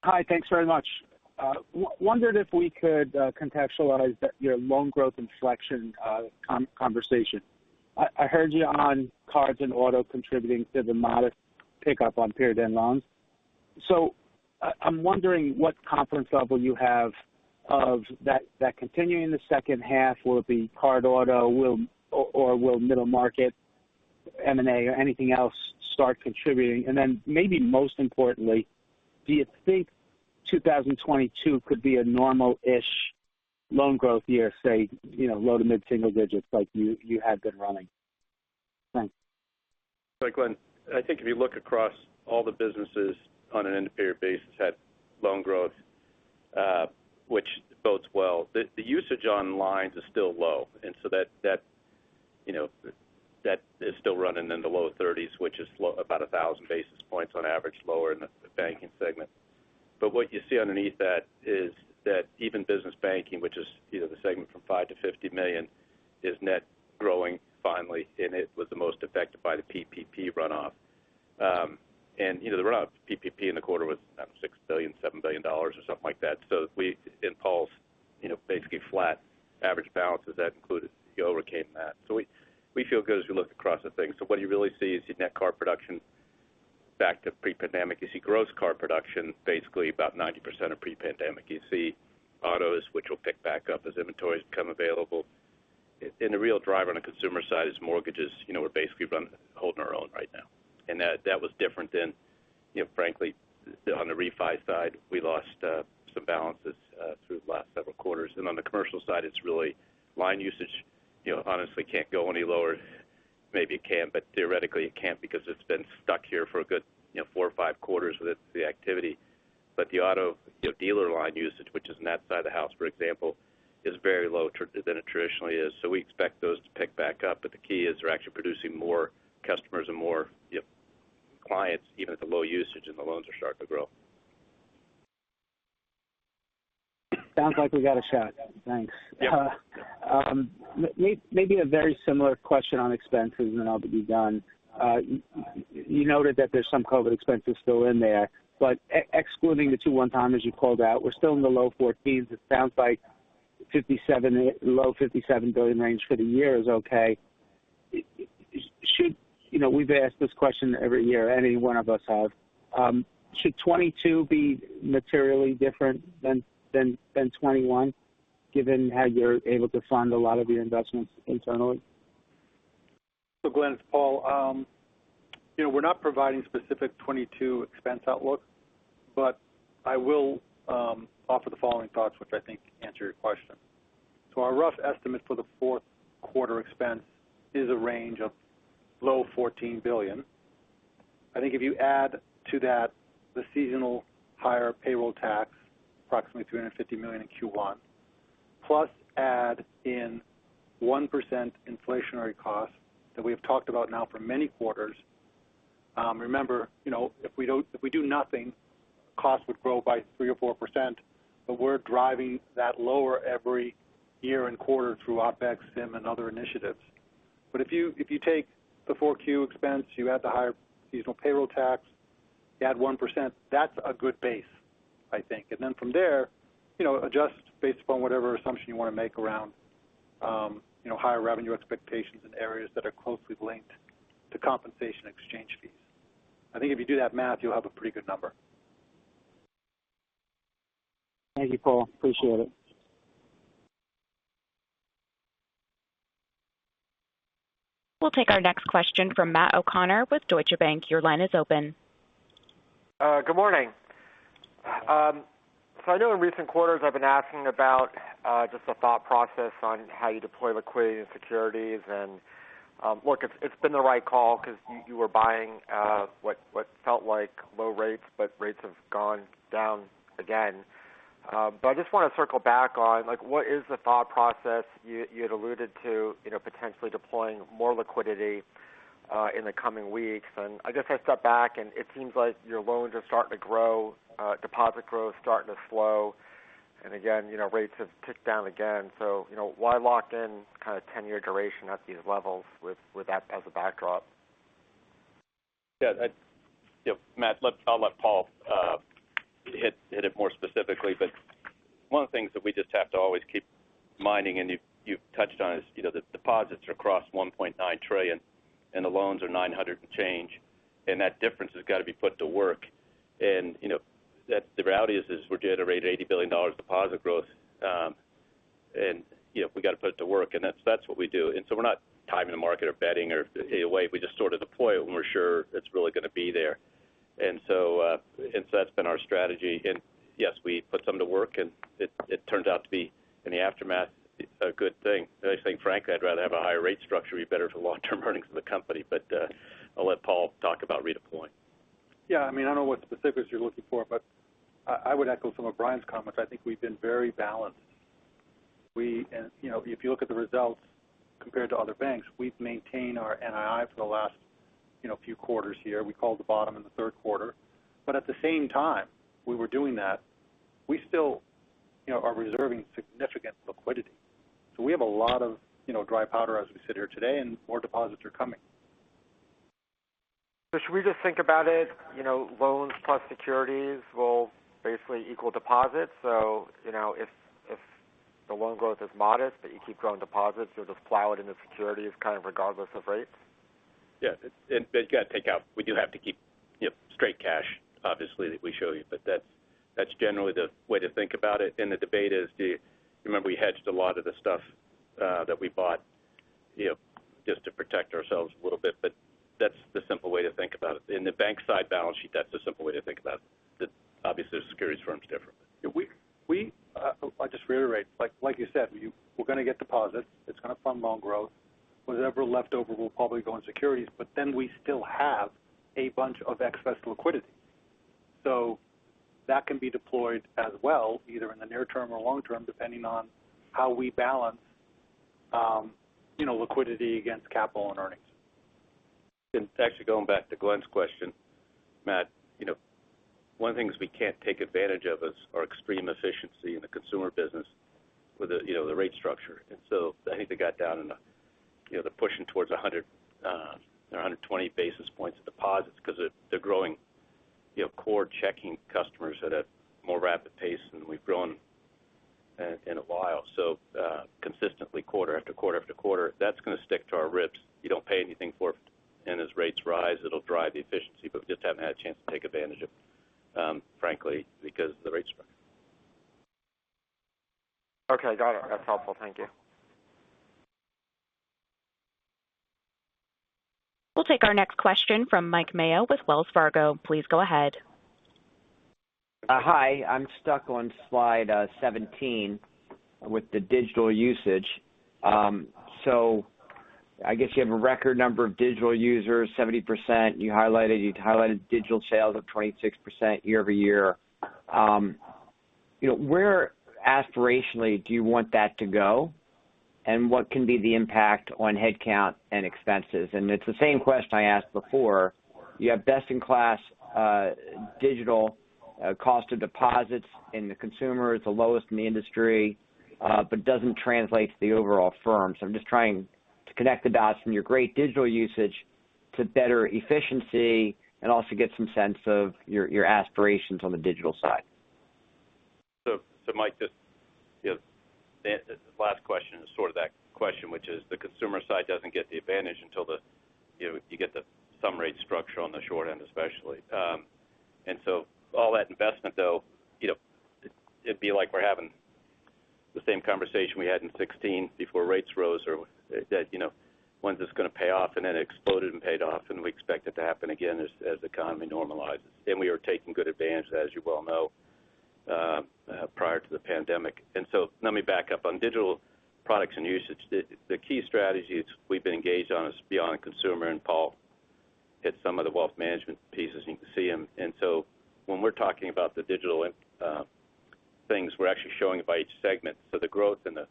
Hi. Thanks very much. Wondered if we could contextualize your loan growth inflection conversation. I heard you on cards and auto contributing to the modest pickup on period end loans. I'm wondering what confidence level you have of that continuing in the second half. Will the card auto or will Middle Market M&A or anything else start contributing? Maybe most importantly, do you think 2022 could be a normal-ish loan growth year, say low to mid-single digits like you had been running? Thanks. Hi, Glenn. I think if you look across all the businesses on an end-of-period basis at loan growth which bodes well. The usage on lines is still low, that is still running in the low 30s, which is about 1,000 basis points on average lower in the banking segment. What you see underneath that is that even Business Banking, which is the segment for $5 million-$50 million, is net growing finally, and it was the most affected by the PPP runoff. The rough PPP in the quarter was $6 billion, $7 billion or something like that. In pulse, basically flat average balances. That included, you overcame that. We feel good as we look across the bank. What you really see is net card production back to pre-pandemic. You see gross card production basically about 90% of pre-pandemic. You see autos, which will pick back up as inventories become available. The real driver on the consumer side is mortgages. We're basically holding our own right now. That was different than, frankly, on the refi side, we lost some balances through the last several quarters. On the commercial side, it's really line usage. Honestly can't go any lower. Maybe it can, but theoretically it can't because it's been stuck here for a good four or five quarters with the activity. The auto dealer line usage, which is an outside of the house, for example, is very low than it traditionally is. We expect those to pick back up. The key is we're actually producing more customers and more clients even at the low usage, and the loans will start to grow. Sounds like we got a shot. Thanks. Yeah. Maybe a very similar question on expenses and I'll be done. You noted that there's some COVID expenses still in there, but excluding the two one-timers you called out, we're still in the low $14s. It sounds like low $57 billion range for the year is okay. We've asked this question every year, every one of us has. Should 2022 be materially different than 2021 given how you're able to fund a lot of your investments internally? Glenn, it's Paul. We're not providing specific 2022 expense outlook, but I will offer the following thoughts which I think answer your question. Our rough estimates for the fourth quarter expense is a range of low $14 billion. I think if you add to that the seasonal higher payroll tax, approximately $350 million in Q1, plus add in 1% inflationary costs that we've talked about now for many quarters. Remember, if we do nothing, costs would grow by 3% or 4%, but we're driving that lower every year and quarter through OpEx, SIM and other initiatives. If you take the 4Q expense, you add the higher seasonal payroll tax Add 1%, that's a good base, I think. Then from there, adjust based upon whatever assumption you want to make around higher revenue expectations in areas that are closely linked to compensation and exchange fees. I think if you do that math, you'll have a pretty good number. Thank you, Paul. Appreciate it. We'll take our next question from Matt O'Connor with Deutsche Bank. Your line is open. Good morning. I know in recent quarters I've been asking about just the thought process on how you deploy liquidity and securities. Look, it's been the right call because you were buying what felt like low rates, but rates have gone down again. I just want to circle back on what is the thought process you had alluded to potentially deploying more liquidity in the coming weeks. I guess I step back and it seems like your loans are starting to grow. Deposit growth is starting to slow. Again, rates have ticked down again. Why lock in kind of 10-year duration at these levels with that as a backdrop? Yeah. Matt, I'll let Paul hit it more specifically, one of the things that we just have to always keep in mind, and you've touched on is the deposits are across $1.9 trillion and the loans are $900 billion and change, and that difference has got to be put to work. The reality is we're generating $80 billion deposit growth. We've got to put it to work. That's what we do. We're not timing the market or betting in a way, we just sort of deploy it when we're sure it's really going to be there. That's been our strategy. Yes, we put some to work. It turns out to be in the aftermath a good thing. I think, frankly, I'd rather have a higher rate structure be better for long-term earnings of the company. I'll let Paul talk about redeploying. I don't know what specifics you're looking for, but I would echo some of Brian's comments. I think we've been very balanced. If you look at the results compared to other banks, we've maintained our NII for the last few quarters here. We called the bottom in the third quarter, but at the same time we were doing that, we still are reserving significant liquidity. We have a lot of dry powder as we sit here today, and more deposits are coming. Should we just think about it, loans plus securities will basically equal deposits. If the loan growth is modest, but you keep growing deposits, there's a plow into securities kind of regardless of rates. Yeah. You have to pick up. We do have to keep straight cash obviously that we show you. That's generally the way to think about it. The debate is, remember we hedged a lot of the stuff that we bought just to protect ourselves a little bit. That's the simple way to think about it. In the bank-side balance sheet, that's the simple way to think about it. Obviously, the securities firm is different. I'll just reiterate. Like you said, we're going to get deposits. It's going to fund loan growth. Whatever leftover will probably go in securities, but then we still have a bunch of excess liquidity. That can be deployed as well, either in the near-term or long-term, depending on how we balance liquidity against capital and earnings. Actually going back to Glenn's question, Matt one of the things we can't take advantage of is our extreme efficiency in the Consumer Business with the rate structure. I think they got down in the pushing towards 100, 120 basis points of deposits because they're growing core checking customers at a more rapid pace than we've grown in a while. Consistently quarter after quarter after quarter, that's going to stick to our ribs. You don't pay anything for it. As rates rise, it'll drive the efficiency we just haven't had a chance to take advantage of frankly because of the rate structure. Okay, got it. That's helpful. Thank you. We'll take our next question from Mike Mayo with Wells Fargo. Please go ahead. Hi, I'm stuck on slide 17 with the digital usage. I guess you have a record number of digital users, 70%. You highlighted digital sales up 26% year-over-year. Where aspirationally do you want that to go? What can be the impact on headcount and expenses? It's the same question I asked before. You have best in class digital cost of deposits in the consumer is the lowest in the industry. Doesn't translate to the overall firm. I'm just trying to connect the dots from your great digital usage to better efficiency and also get some sense of your aspirations on the digital side. Mike, just to answer the last question is sort of that question, which is the consumer side doesn't get the advantage until you get the some rate structure on the short end especially. All that investment though it'd be like we're having the same conversation we had in 2016 before rates rose or they said, "When's this going to pay off?" It exploded and paid off, and we expect it to happen again as the economy normalizes. We are taking good advantage, as you well know prior to the pandemic. Let me back up on digital products and usage. The key strategies we've engaged on is beyond consumer, and Paul hit some of the wealth management pieces you can see. When we're talking about the digital things, we're actually showing it by each segment. The growth in the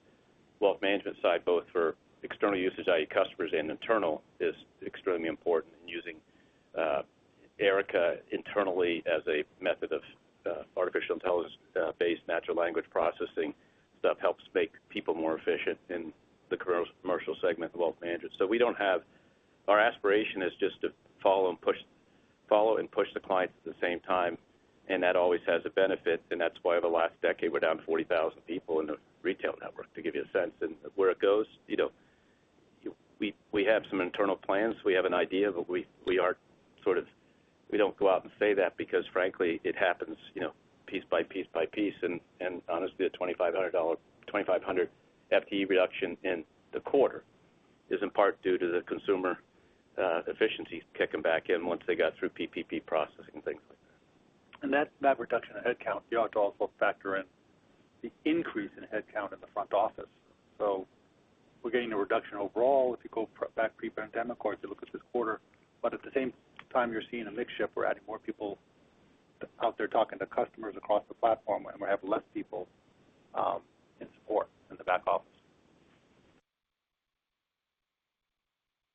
wealth management side, both for external usage, i.e. customers and internal is extremely important in using Erica internally as a method of artificial intelligence based natural language processing that helps make people more efficient in the commercial segment of wealth management. Our aspiration is just to follow and push the clients at the same time, and that always has a benefit. That's why over the last decade, we're down 40,000 people in the retail network, to give you a sense. Where it goes, we have some internal plans. We have an idea, but we don't go out and say that because frankly, it happens piece by piece. Honestly, the 2,500 FTE reduction in the quarter is in part due to the consumer efficiencies kicking back in once they got through PPP processing, things like that. That reduction in headcount, you also have to factor in the increase in headcount in the front office. We're getting a reduction overall if you go back pre-pandemic or if you look at this quarter. At the same time, you're seeing a mix shift. We're adding more people out there talking to customers across the platform, and we have less people in support in the back office.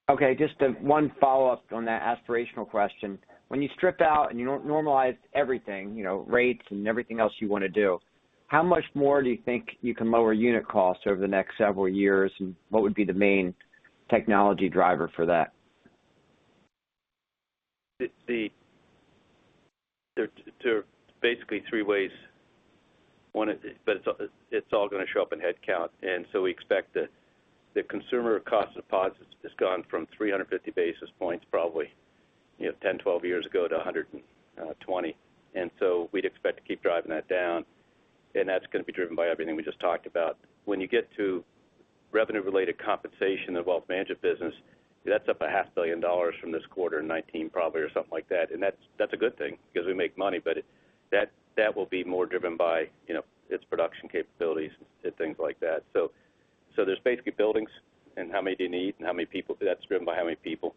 Okay. Just one follow-up on that aspirational question. When you strip out and you normalize everything, rates and everything else you want to do, how much more do you think you can lower unit costs over the next several years? What would be the main technology driver for that? There are basically three ways. One is it's all going to show up in headcount, and so we expect that the consumer cost deposits has gone from 350 basis points probably 10, 12 years ago to 120. We'd expect to keep driving that down, and that's going to be driven by everything we just talked about. When you get to revenue-related compensation in the wealth management business, that's up $500 million from this quarter in 2019 probably or something like that. That's a good thing because we make money, but that will be more driven by its production capabilities and things like that. There's basically buildings and how many do you need, and how many people. That's driven by how many people.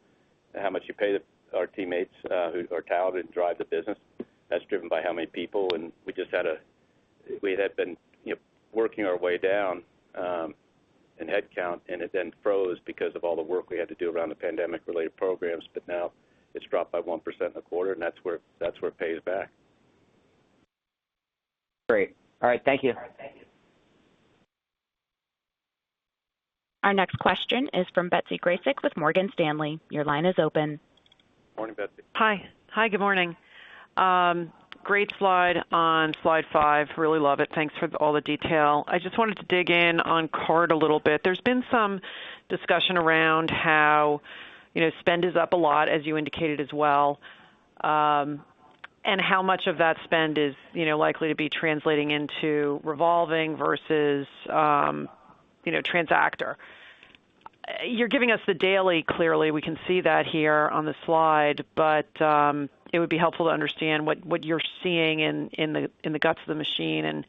How much you pay our teammates who are talented and drive the business, that's driven by how many people, and we had been working our way down in headcount, and it then froze because of all the work we had to do around the pandemic-related programs. Now it's dropped by 1% in the quarter, and that's where it pays back. Great. All right. Thank you. Our next question is from Betsy Graseck with Morgan Stanley. Your line is open. Morning, Betsy. Hi. Good morning. Great slide on slide five. Really love it. Thanks for all the detail. I just wanted to dig in on card a little bit. There's been some discussion around how spend is up a lot, as you indicated as well, and how much of that spend is likely to be translating into revolving versus transactor. You're giving us the daily, clearly. We can see that here on the slide. It would be helpful to understand what you're seeing in the guts of the machine.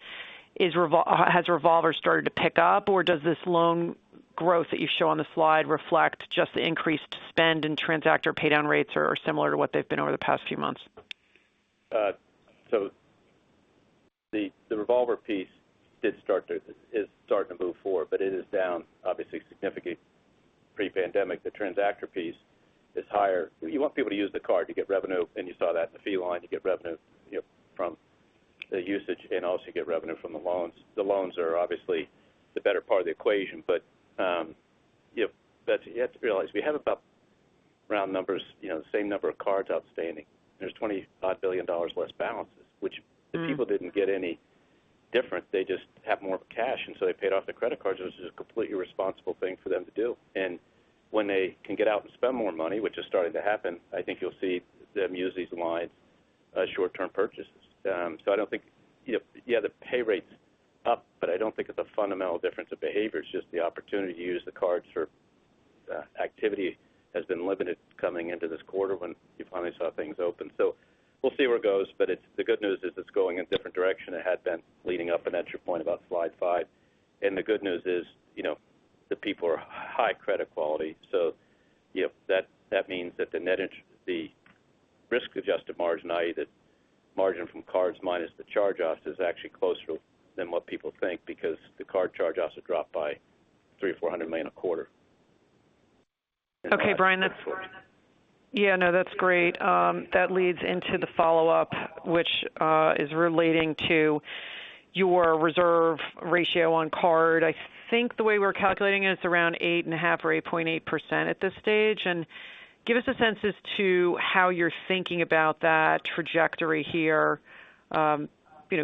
Has revolver started to pick up, or does this loan growth that you show on the slide reflect just increased spend and transactor pay-down rates are similar to what they've been over the past few months? The revolver piece is starting to move forward, but it is down obviously significantly pre-pandemic. The transactor piece is higher. We want people to use the card to get revenue, and you saw that in the fee line. You get revenue from the usage, and also you get revenue from the loans. The loans are obviously the better part of the equation. Betsy, you have to realize we have about, round numbers, the same number of cards outstanding. There's $25 billion less balances, which the people didn't get any different. They just have more cash, and so they paid off their credit cards, which is a completely responsible thing for them to do. When they can get out and spend more money, which is starting to happen, I think you'll see them use these lines as short-term purchases. The pay rate's up, but I don't think it's a fundamental difference of behavior. It's just the opportunity to use the card. Certain activity has been limited coming into this quarter when you finally saw things open. We'll see where it goes. The good news is it's going in a different direction. It had been bleeding up an entry point about slide five. The good news is the people are high credit quality. That means that the risk-adjusted margin, i.e., the margin from cards minus the charge-offs is actually closer than what people think because the card charge-offs have dropped by $300 million-$400 million a quarter. Okay, Brian. Yeah. No, that's great. That leads into the follow-up, which is relating to your reserve ratio on card. I think the way we're calculating it is around 8.5% or 8.8% at this stage. Give us a sense as to how you're thinking about that trajectory here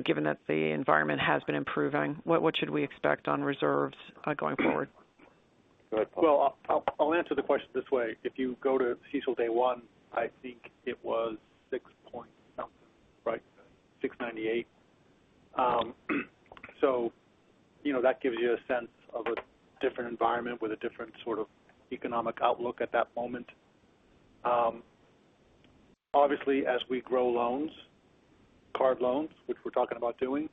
given that the environment has been improving. What should we expect on reserves going forward? Go ahead, Paul. Well, I'll answer the question this way. If you go to CECL day one, I think it was 6 point something, right, 6.98. That gives you a sense of a different environment with a different sort of economic outlook at that moment. Obviously, as we grow loans, card loans, which we're talking about doing,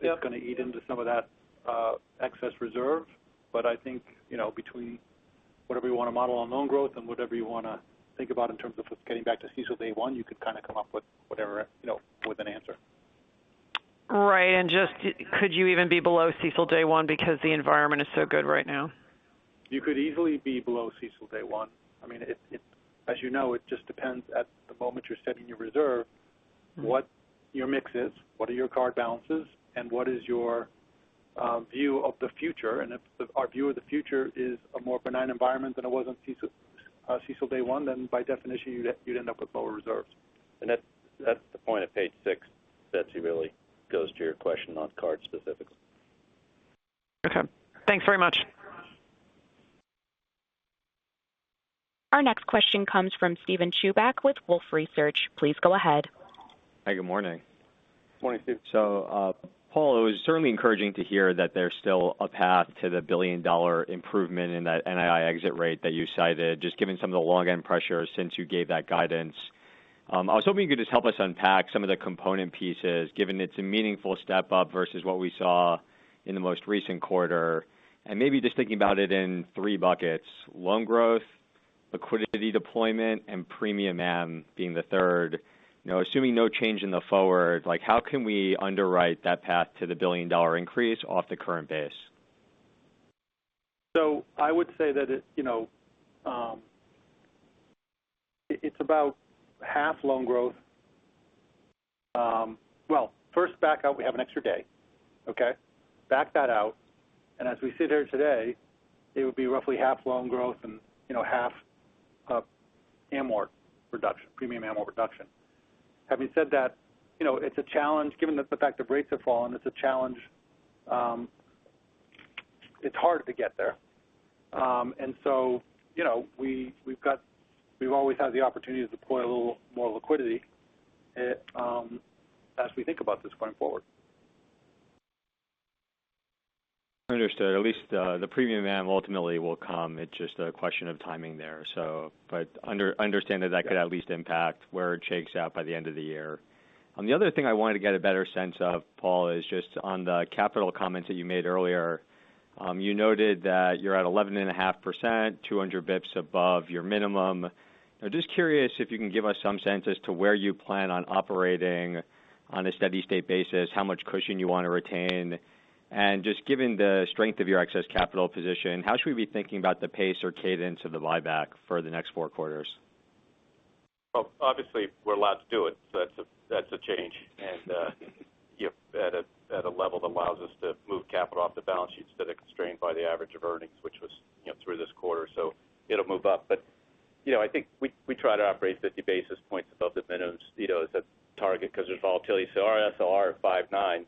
they're going to eat into some of that excess reserve. I think between whatever you want to model on loan growth and whatever you want to think about in terms of getting back to CECL day one, you could kind of come up with an answer. Great. Just could you even be below CECL day one because the environment is so good right now? You could easily be below CECL day one. As you know, it just depends at the moment you're setting your reserve what your mix is, what are your card balances, and what is your view of the future. If our view of the future is a more benign environment than it was on CECL day one, then by definition, you'd end up with lower reserves. That's the point of page six that really goes to your question on cards specifically. Okay. Thanks very much. Our next question comes from Steven Chubak with Wolfe Research. Please go ahead. Hi, good morning. Paul, it was certainly encouraging to hear that there's still a path to the $1 billion improvement in that NII exit rate that you cited, just given some of the long-end pressure since you gave that guidance. I was hoping you could just help us unpack some of the component pieces given it's a meaningful step up versus what we saw in the most recent quarter. Maybe just thinking about it in three buckets, loan growth, liquidity deployment, and premium am being the third. Assuming no change in the forward, how can we underwrite that path to the $1 billion increase off the current base? I would say that it's about half loan growth. First back out we have an extra day. Okay? Back that out, and as we sit here today, it would be roughly half loan growth and half premium amortization reduction. Having said that, it's a challenge given the fact that rates have fallen, it's harder to get there. We've always had the opportunity to deploy a little more liquidity as we think about this going forward. Understood. At least the premium am ultimately will come. It's just a question of timing there. Understanding that could at least impact where it shakes out by the end of the year. The other thing I wanted to get a better sense of, Paul, is just on the capital comments that you made earlier. You noted that you're at 11.5%, 200 basis points above your minimum. Just curious if you can give us some sense as to where you plan on operating on a steady state basis, how much cushion you want to retain, and just given the strength of your excess capital position, how should we be thinking about the pace or cadence of the buyback for the next four quarters? Obviously we're allowed to do it, so that's a change. At a level that allows us to move capital off the balance sheet instead of constrained by the average of earnings, which was through this quarter. It'll move up. I think we try to operate 50 basis points above the minimum as a target because there's volatility. So our SLR of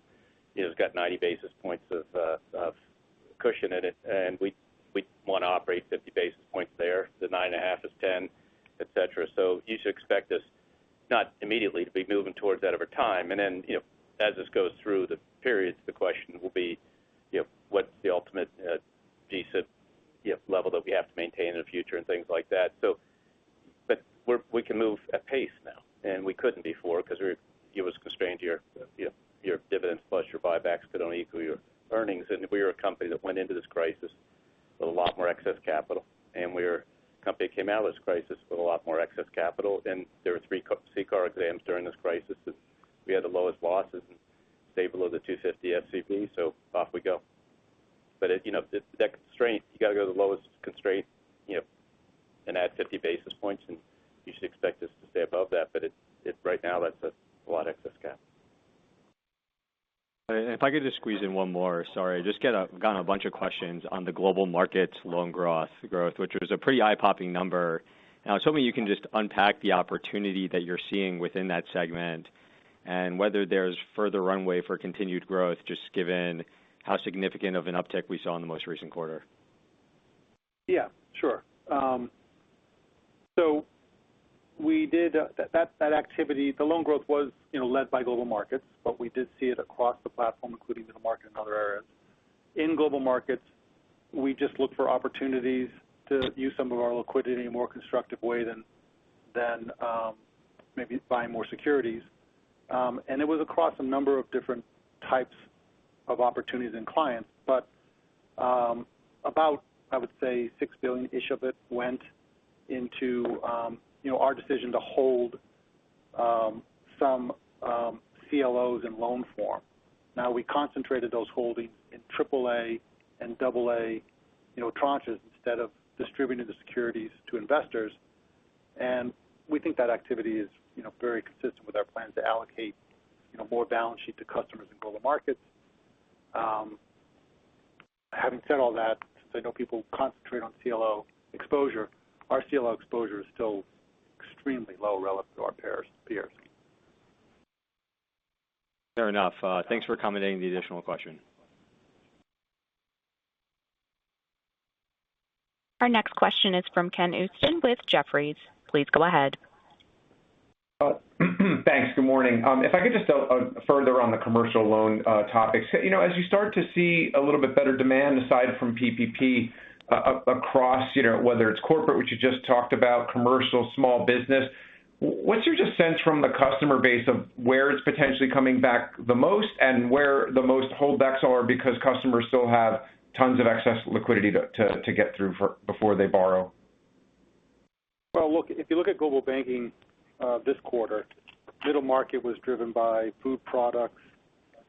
5.9% has got 90 basis points of cushion in it, and we want to operate 50 basis points there to 9.5% is 10%, et cetera. You should expect us not immediately to be moving towards that over time. As this goes through the periods, the question will be what's the ultimate GSIB level that we have to maintain in the future and things like that. We can move at pace now, and we couldn't before because you were constrained to your dividend plus your buybacks could only equal your earnings. We were a company that went into this crisis with a lot more excess capital, and we're a company that came out of this crisis with a lot more excess capital. There were three CCAR exams during this crisis that we had the lowest losses and stayed below the 2.50% SCB, so off we go. That constraint, you've got to go to the lowest constraint and add 50 basis points, and you should expect us to stay above that. Right now that's a lot of excess cap. If I could just squeeze in one more, sorry. I've just gotten a bunch of questions on the Global Markets loan growth, which was a pretty eye-popping number. I was hoping you can just unpack the opportunity that you're seeing within that segment and whether there's further runway for continued growth, just given how significant of an uptick we saw in the most recent quarter. Yeah. Sure. That activity, the loan growth was led by Global Markets, but we did see it across the platform, including in the margin and other areas. In Global Markets, we just looked for opportunities to use some of our liquidity in a more constructive way than maybe buying more securities. It was across a number of different types of opportunities and clients. About, I would say $6 billion of it went into our decision to hold some CLOs in loan form. Now we concentrated those holdings in AAA and AA tranches instead of distributing the securities to investors. We think that activity is very consistent with our plan to allocate more balance sheet to customers in Global Markets. Having said all that, because I know people concentrate on CLO exposure, our CLO exposure is still extremely low relative to our peers. Fair enough. Thanks for accommodating the additional question. Our next question is from Ken Usdin with Jefferies. Please go ahead. Thanks. Good morning. If I could just further on the commercial loan topics. As you start to see a little bit better demand aside from PPP across, whether it's corporate, which you just talked about, commercial, small business, what's your just sense from the customer base of where it's potentially coming back the most and where the most holdbacks are because customers still have tons of excess liquidity to get through before they borrow? Well, look, if you look at Global Banking this quarter, Middle Market was driven by food products,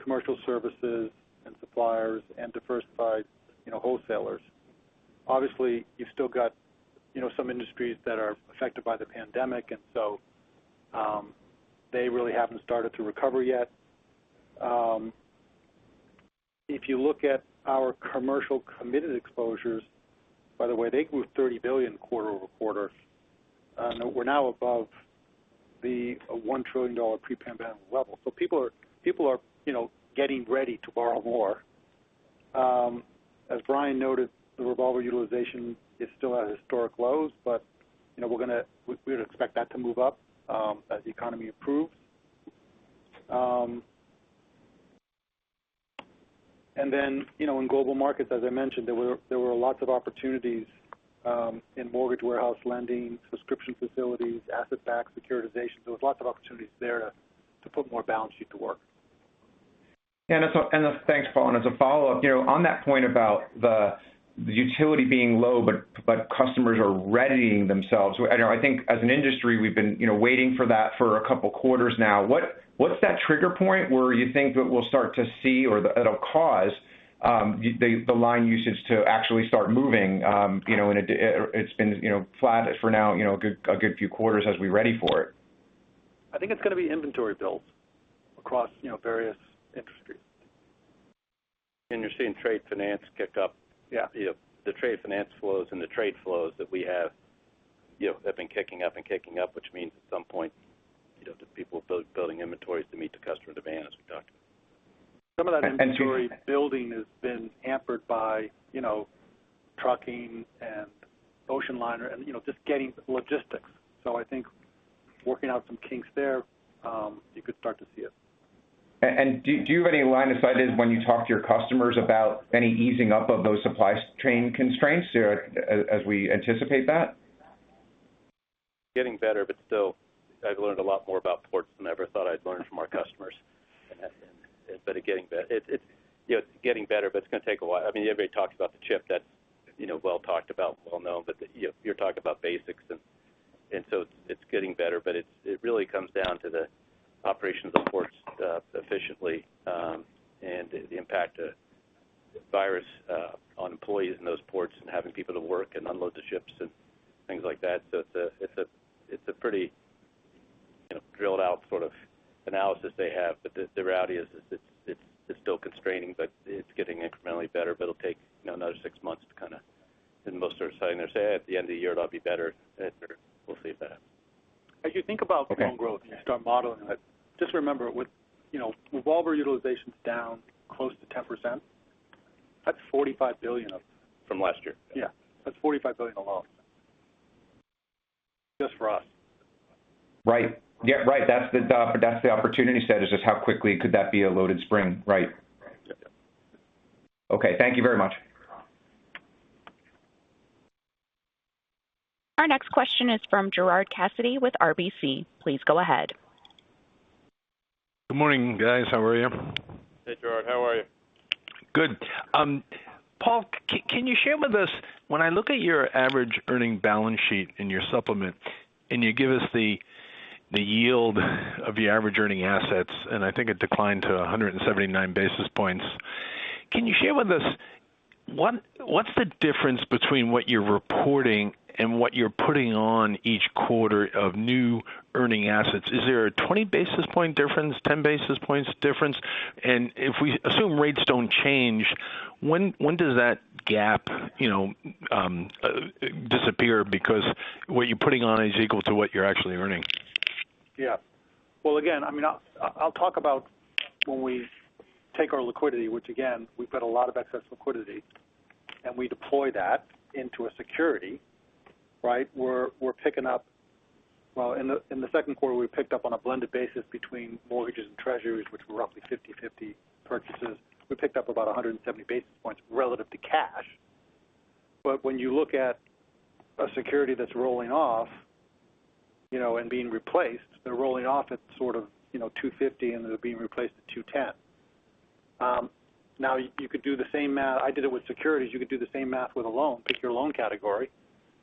commercial services and suppliers and diversified wholesalers. Obviously, you've still got some industries that are affected by the pandemic, and so they really haven't started to recover yet. If you look at our commercial committed exposures, by the way, they grew $30 billion quarter-over-quarter. We're now above the $1 trillion pre-pandemic level. People are getting ready to borrow more. As Brian noted, the revolver utilization is still at historic lows, but we'd expect that to move up as the economy improves. In Global Markets, as I mentioned, there were lots of opportunities in mortgage warehouse lending, subscription facilities, asset-backed securitization. There was lots of opportunities there to put more balance sheet to work. Thanks, Paul. As a follow-up, on that point about the utility being low, but customers are readying themselves. I think as an industry, we've been waiting for that for a couple of quarters now. What's that trigger point where you think that we'll start to see or that'll cause the line usage to actually start moving? It's been flat for now a good few quarters as we ready for it. I think it's going to be inventory builds across various industries. You're seeing trade finance kick up. Yeah. The trade finance flows and the trade flows that we have have been kicking up and kicking up, which means at some point, the people building inventories to meet the customer demand are going to start. Some of that inventory building has been hampered by trucking and ocean liner, just getting logistics. I think working out some kinks there you could start to see it. Do you have any line of sight into when you talk to your customers about any easing up of those supply chain constraints as we anticipate that? Getting better, but still I learned a lot more about ports than I ever thought I'd learn from our customers. It's getting better. It's getting better, but it's going to take a while. Everybody talked about the ship that's well talked about, well-known, but you're talking about basics and so it's getting better, but it really comes down to the operations of ports efficiently and the impact of the virus on employees in those ports and having people to work and unload the ships and things like that. It's a pretty drilled-out sort of analysis they have. The reality is it's still constraining, but it's getting incrementally better, but it'll take another six months kind of. Most are starting to say at the end of the year they'll be better. We'll see. As you think about loan growth and you start modeling it, just remember with revolver utilizations down close to 10%, that's $45 billion. From last year. Yeah. That's $45 billion of losses just for us. Right. Yeah. Right. That's the opportunity set is just how quickly could that be a loaded spring. Right. Yeah. Okay. Thank you very much. Our next question is from Gerard Cassidy with RBC. Please go ahead. Good morning, guys. How are you? Hey, Gerard. How are you? Good. Paul, can you share with us, when I look at your average earning balance sheet in your supplement and you give us the yield of the average earning assets, and I think it declined to 179 basis points. Can you share with us what's the difference between what you're reporting and what you're putting on each quarter of new earning assets? Is there a 20-basis point difference, 10-basis points difference? If we assume rates don't change, when does that gap disappear because what you're putting on is equal to what you're actually earning? Yeah. Well, again, I'll talk about when we take our liquidity, which again, we've got a lot of excess liquidity, and we deploy that into a security, right? Well, in the second quarter, we picked up on a blended basis between mortgages and treasuries, which were roughly 50/50 purchases. We picked up about 170 basis points relative to cash. When you look at a security that's rolling off and being replaced, they're rolling off at sort of 2.50%, and they're being replaced at 2.10%. Now you could do the same math I did with securities. You could do the same math with a loan. Pick your loan category,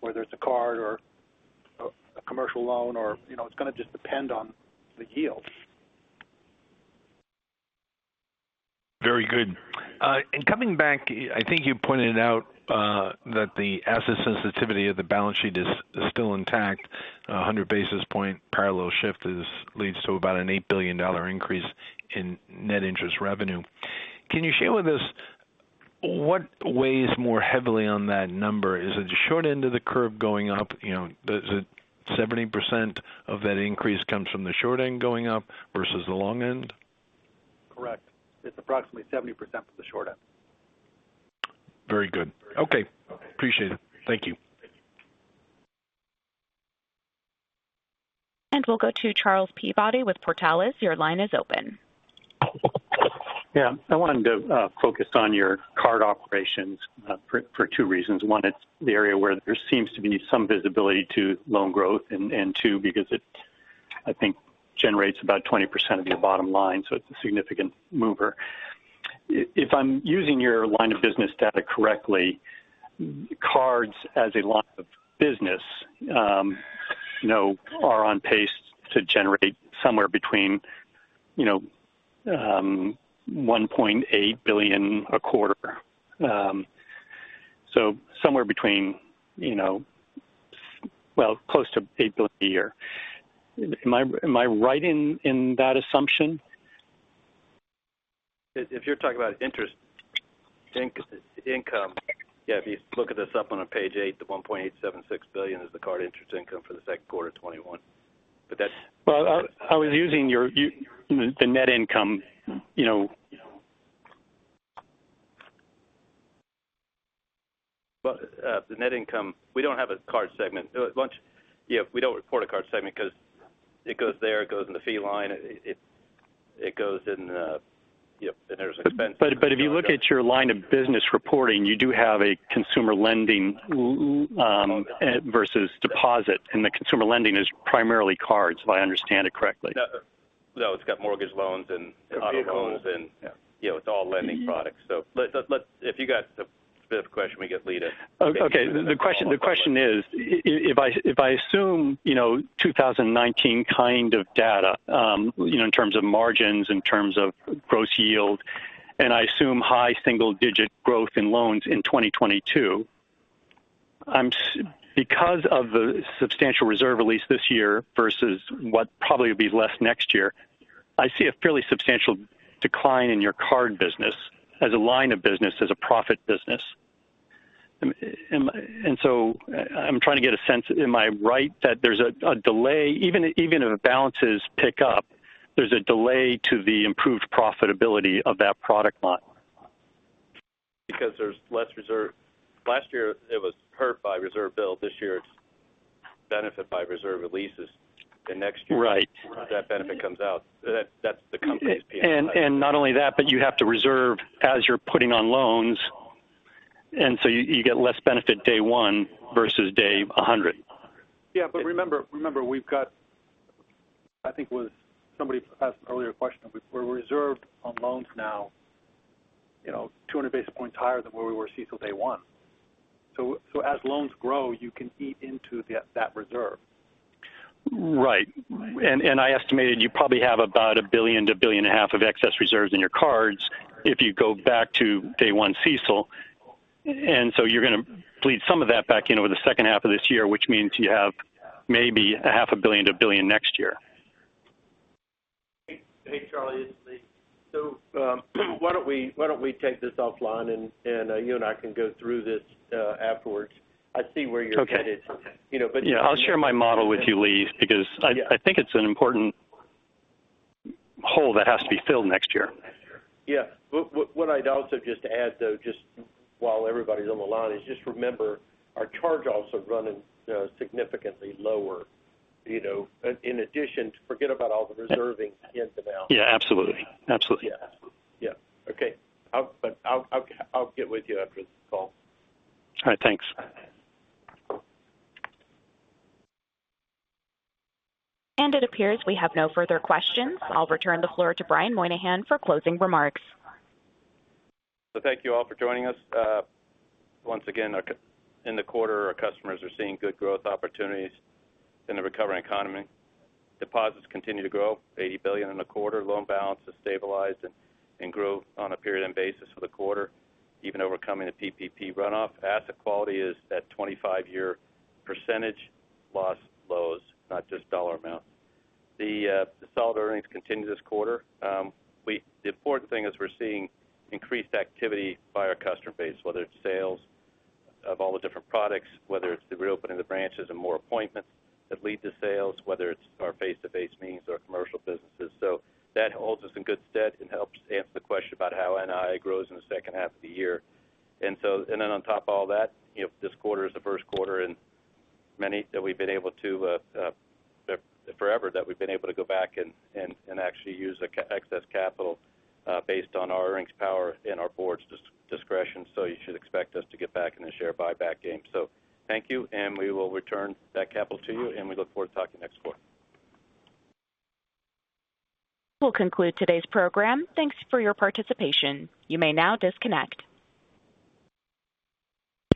whether it's a card or a commercial loan, or it's going to just depend on the yield. Very good. Coming back, I think you pointed out that the asset sensitivity of the balance sheet is still intact. 100-basis point parallel shift leads to about an $8 billion increase in net interest revenue. Can you share with us what weighs more heavily on that number? Is it the short end of the curve going up? Is it 70% of that increase comes from the short end going up versus the long end? Correct. It's approximately 70% for the short end. Very good. Okay. Appreciate it. Thank you. We'll go to Charles Peabody with Portales. Your line is open. I wanted to focus on your card operations for two reasons. One, it's the area where there seems to be some visibility to loan growth, and two, because it, I think, generates about 20% of your bottom line, so it's a significant mover. If I'm using your line of business data correctly, cards as a line of business are on pace to generate somewhere between $1.8 billion a quarter. Somewhere between, well, close to $8 billion a year. Am I right in that assumption? If you're talking about interest income, yeah. If you look this up on page eight, the $1.876 billion is the card interest income for the second quarter of 2021. I was using the net income. The net income, we don't have a card segment. We don't report a card segment because it goes there, it goes in the fee line. There's an expense line item. If you look at your line of business reporting, you do have a consumer lending versus deposits, and the consumer lending is primarily cards, if I understand it correctly? No, it's got mortgage loans and auto loans and it's all lending products. If you got a specific question, we could lead it. The question is, if I assume 2019 kind of data in terms of margins, in terms of gross yield, I assume high single-digit growth in loans in 2022, because of the substantial reserve release this year versus what probably will be less next year, I see a fairly substantial decline in your card business as a line of business, as a profit business. I'm trying to get a sense, am I right that there's a delay, even if balances pick up, there's a delay to the improved profitability of that product line? There's less reserve. Last year it was hurt by reserve build. This year, it's benefit by reserve releases. Next year, that benefit comes out. That's the company's view. Not only that, but you have to reserve as you're putting on loans, and so you get less benefit day one versus day 100. Yeah. Remember, we've got, I think it was somebody asked an earlier question, but we're reserved on loans now 200 basis points higher than where we were CECL day one. As loans grow, you can eat into that reserve. Right. I estimated you probably have about $1 billion-$1.5 billion of excess reserves in your cards if you go back to day one CECL. You're going to bleed some of that back in with the second half of this year, which means you have maybe $500 million-$1 billion next year. Hey, Charlie, it's Lee. Why don't we take this offline and you and I can go through this afterwards? I see where you're headed. Okay. Yeah, I'll share my model with you, Lee, because I think it's an important hole that has to be filled next year. Yeah. What I'd also just add, though, just while everybody's on the line is just remember our charge-off is running significantly lower. In addition, forget about all the reserving gives and outs. Yeah, absolutely. Yeah. Okay. I'll get with you after this call. All right, thanks. It appears we have no further questions. I'll return the floor to Brian Moynihan for closing remarks. Thank you all for joining us. Once again, in the quarter, our customers are seeing good growth opportunities in the recovering economy. Deposits continue to grow $80 billion in the quarter. Loan balances stabilized and grew on a period end basis for the quarter even overcoming the PPP runoff. Asset quality is at 25-year percentage loss lows, not just dollar amounts. The solid earnings continue this quarter. The important thing is we're seeing increased activity by our customer base, whether it's sales of all the different products, whether it's the reopening of the branches and more appointments that lead to sales, whether it's our face-to-face meetings, our commercial businesses. That holds us in good stead and helps to answer the question about how NII grows in the second half of the year. On top of all that, this quarter is the first quarter in many that we've been able to, in forever that we've been able to go back and actually use excess capital based on our earnings power and our board's discretion. You should expect us to get back in the share buyback game. Thank you, and we will return that capital to you, and we look forward to talking next quarter. This will conclude today's program. Thanks for your participation. You may now disconnect.